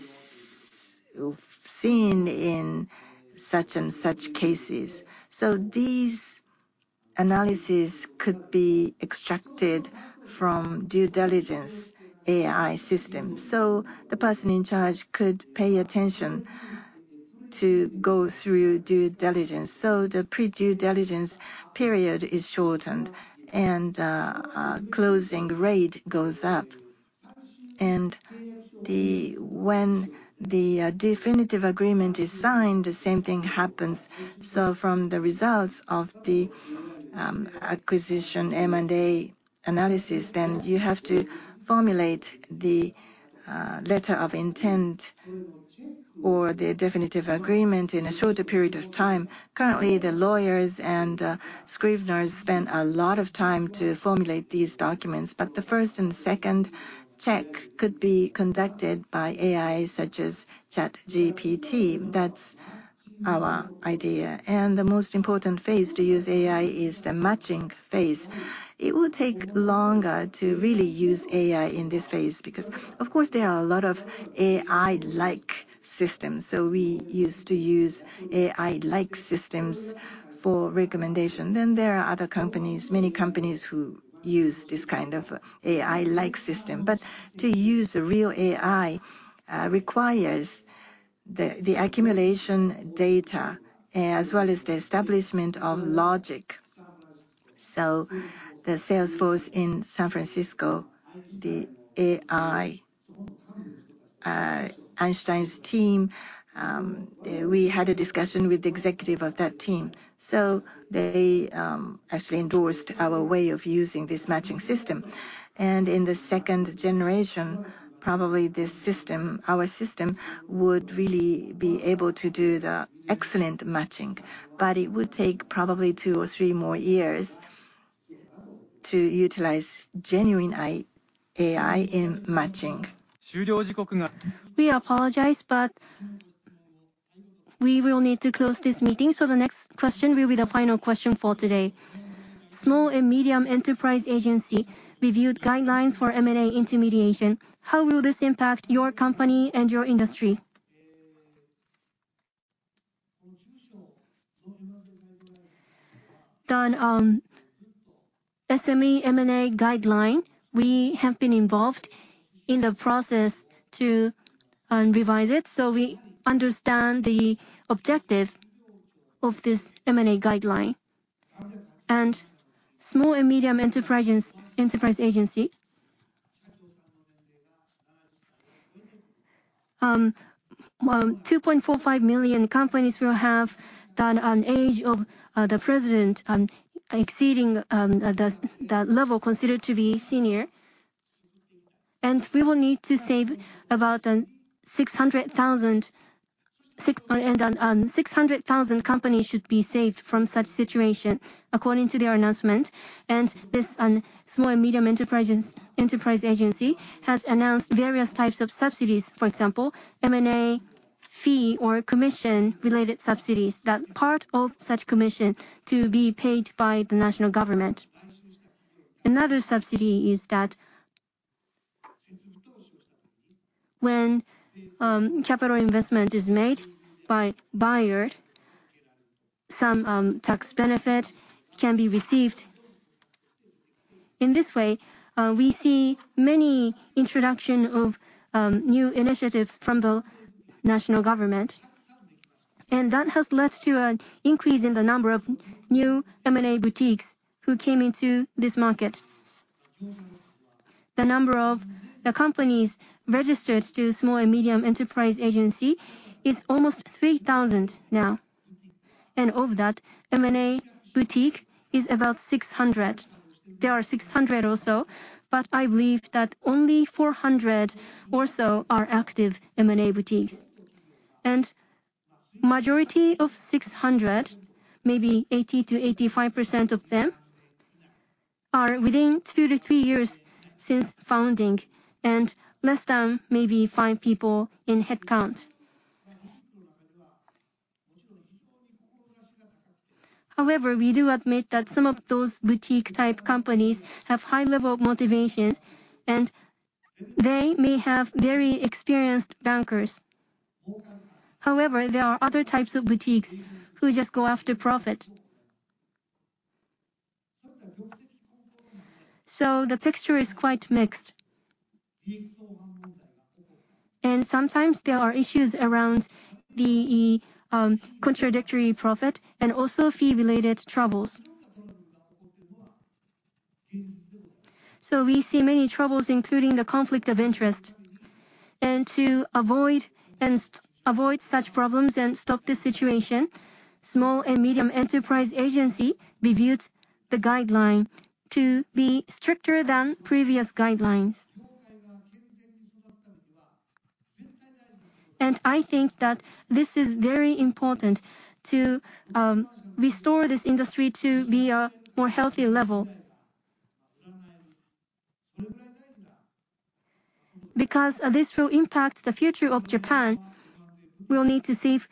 seen in such and such cases. So these analysis due diligence AI system, so the person in charge could pay attention to go through due diligence. pre-due diligence period is shortened, and closing rate goes up. When the definitive agreement is signed, the same thing happens. From the results of the acquisition M&A analysis, then you have to formulate the Letter of Intent or the definitive agreement in a shorter period of time. Currently, the lawyers and scriveners spend a lot of time to formulate these documents, but the first and second check could be conducted by AI, such as ChatGPT. That's our idea. The most important phase to use AI is the matching phase. It will take longer to really use AI in this phase, because of course, there are a lot of AI-like systems, so we used to use AI-like systems for recommendation. Then there are other companies, many companies who use this kind of AI-like system. But to use a real AI requires the accumulation data as well as the establishment of logic. So the Salesforce in San Francisco, the AI, Einstein's team, we had a discussion with the executive of that team, so they actually endorsed our way of using this matching system. And in the second generation, probably this system, our system, would really be able to do the excellent matching, but it would take probably two or three more years to utilize genuine AI in matching. We apologize, but we will need to close this meeting, so the next question will be the final question for today. Small and Medium Enterprise Agency reviewed guidelines for M&A intermediation. How will this impact your company and your industry? The SME M&A guideline, we have been involved in the process to revise it, so we understand the objective of this M&A guideline. Small and Medium Enterprise Agency. Well, 2.45 million companies will have that, an age of the president exceeding the level considered to be senior. We will need to save about 600,000, and 600,000 companies should be saved from such situation, according to their announcement. This Small and Medium Enterprise Agency has announced various types of subsidies, for example, M&A fee or commission-related subsidies, that part of such commission to be paid by the national government. Another subsidy is that when capital investment is made by buyer, some tax benefit can be received. In this way, we see many introduction of new initiatives from the national government, and that has led to an increase in the number of new M&A boutiques who came into this market. The number of the companies registered to Small and Medium Enterprise Agency is almost 3,000 now, and of that, M&A boutique is about 600. There are 600 or so, but I believe that only 400 or so are active M&A boutiques. Majority of 600, maybe 80%-85% of them, are within two-three years since founding and less than maybe five people in headcount. However, we do admit that some of those boutique-type companies have high level of motivations, and they may have very experienced bankers. However, there are other types of boutiques who just go after profit. So the picture is quite mixed. And sometimes there are issues around the contradictory profit and also fee-related troubles. So we see many troubles, including the conflict of interest. And to avoid such problems and stop this situation, Small and Medium Enterprise Agency reviewed the guideline to be stricter than previous guidelines. And I think that this is very important to restore this industry to be a more healthy level. Because, this will impact the future of Japan, we'll need to save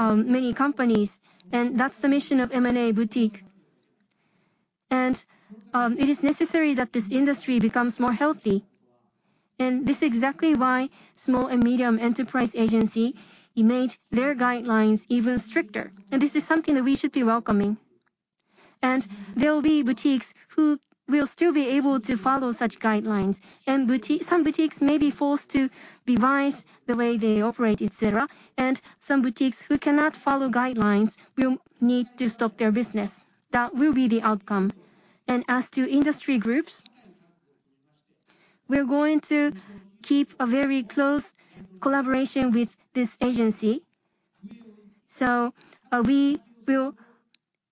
many companies, and that's the mission of M&A boutique. It is necessary that this industry becomes more healthy, and this is exactly why Small and Medium Enterprise Agency made their guidelines even stricter, and this is something that we should be welcoming. There will be boutiques who will still be able to follow such guidelines, and some boutiques may be forced to revise the way they operate, et cetera, and some boutiques who cannot follow guidelines will need to stop their business. That will be the outcome. As to industry groups, we're going to keep a very close collaboration with this agency, so we will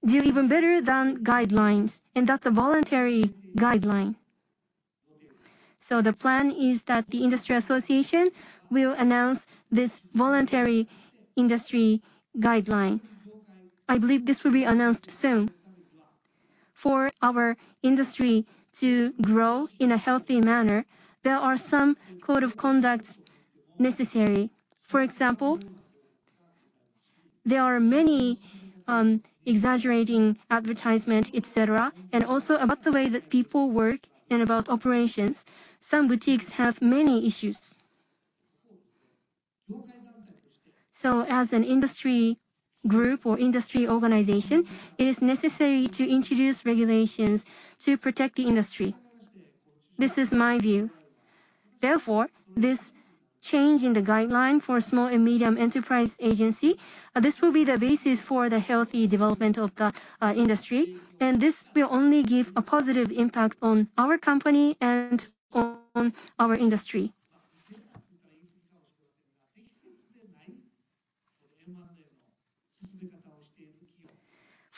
do even better than guidelines, and that's a voluntary guideline. So the plan is that the industry association will announce this voluntary industry guideline. I believe this will be announced soon. For our industry to grow in a healthy manner, there are some code of conducts necessary. For example, there are many exaggerating advertisements, et cetera, and also about the way that people work and about operations. Some boutiques have many issues. So as an industry group or industry organization, it is necessary to introduce regulations to protect the industry. This is my view. Therefore, this change in the guideline for Small and Medium Enterprise Agency, this will be the basis for the healthy development of the industry, and this will only give a positive impact on our company and on our industry.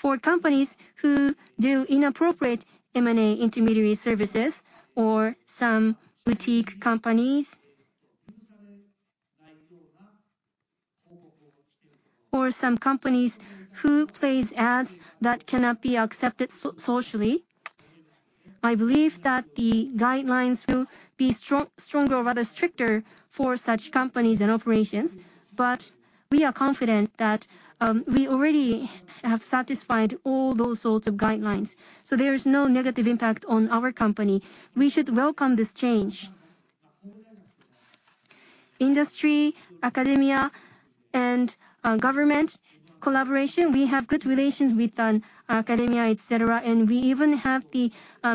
For companies who do inappropriate M&A intermediary services or some boutique companies or some companies who place ads that cannot be accepted so socially, I believe that the guidelines will be stronger or rather stricter for such companies and operations. But we are confident that we already have satisfied all those sorts of guidelines, so there is no negative impact on our company. We should welcome this change. Industry, academia, and government collaboration, we have good relations with academia, et cetera, and we even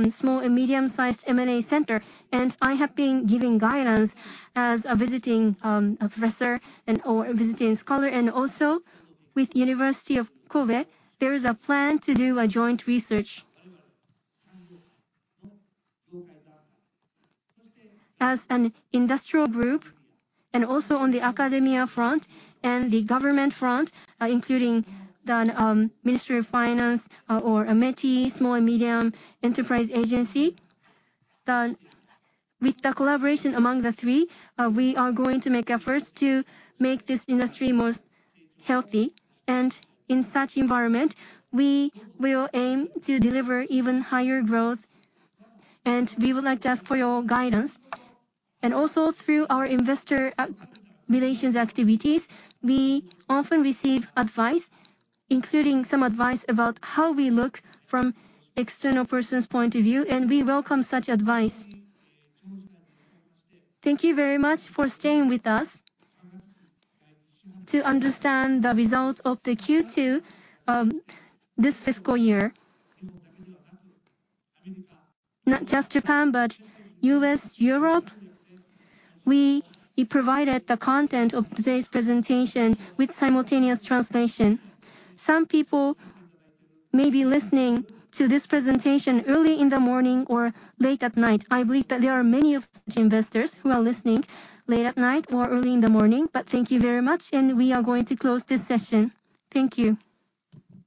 Small and Medium-sized M&A center, and I have been giving guidance as a visiting professor and or a visiting scholar. Also, with Kobe University, there is a plan to do a joint research. As an industrial group and also on the academia front and the government front, including the Ministry of Finance or METI, Small and Medium Enterprise Agency, the... With the collaboration among the three, we are going to make efforts to make this industry most healthy, and in such environment, we will aim to deliver even higher growth, and we would like to ask for your guidance. Also, through our investor relations activities, we often receive advice, including some advice about how we look from external person's point of view, and we welcome such advice. Thank you very much for staying with us to understand the results of the Q2, this fiscal year. Not just Japan, but U.S., Europe, we provided the content of today's presentation with simultaneous translation. Some people may be listening to this presentation early in the morning or late at night. I believe that there are many of such investors who are listening late at night or early in the morning, but thank you very much, and we are going to close this session. Thank you.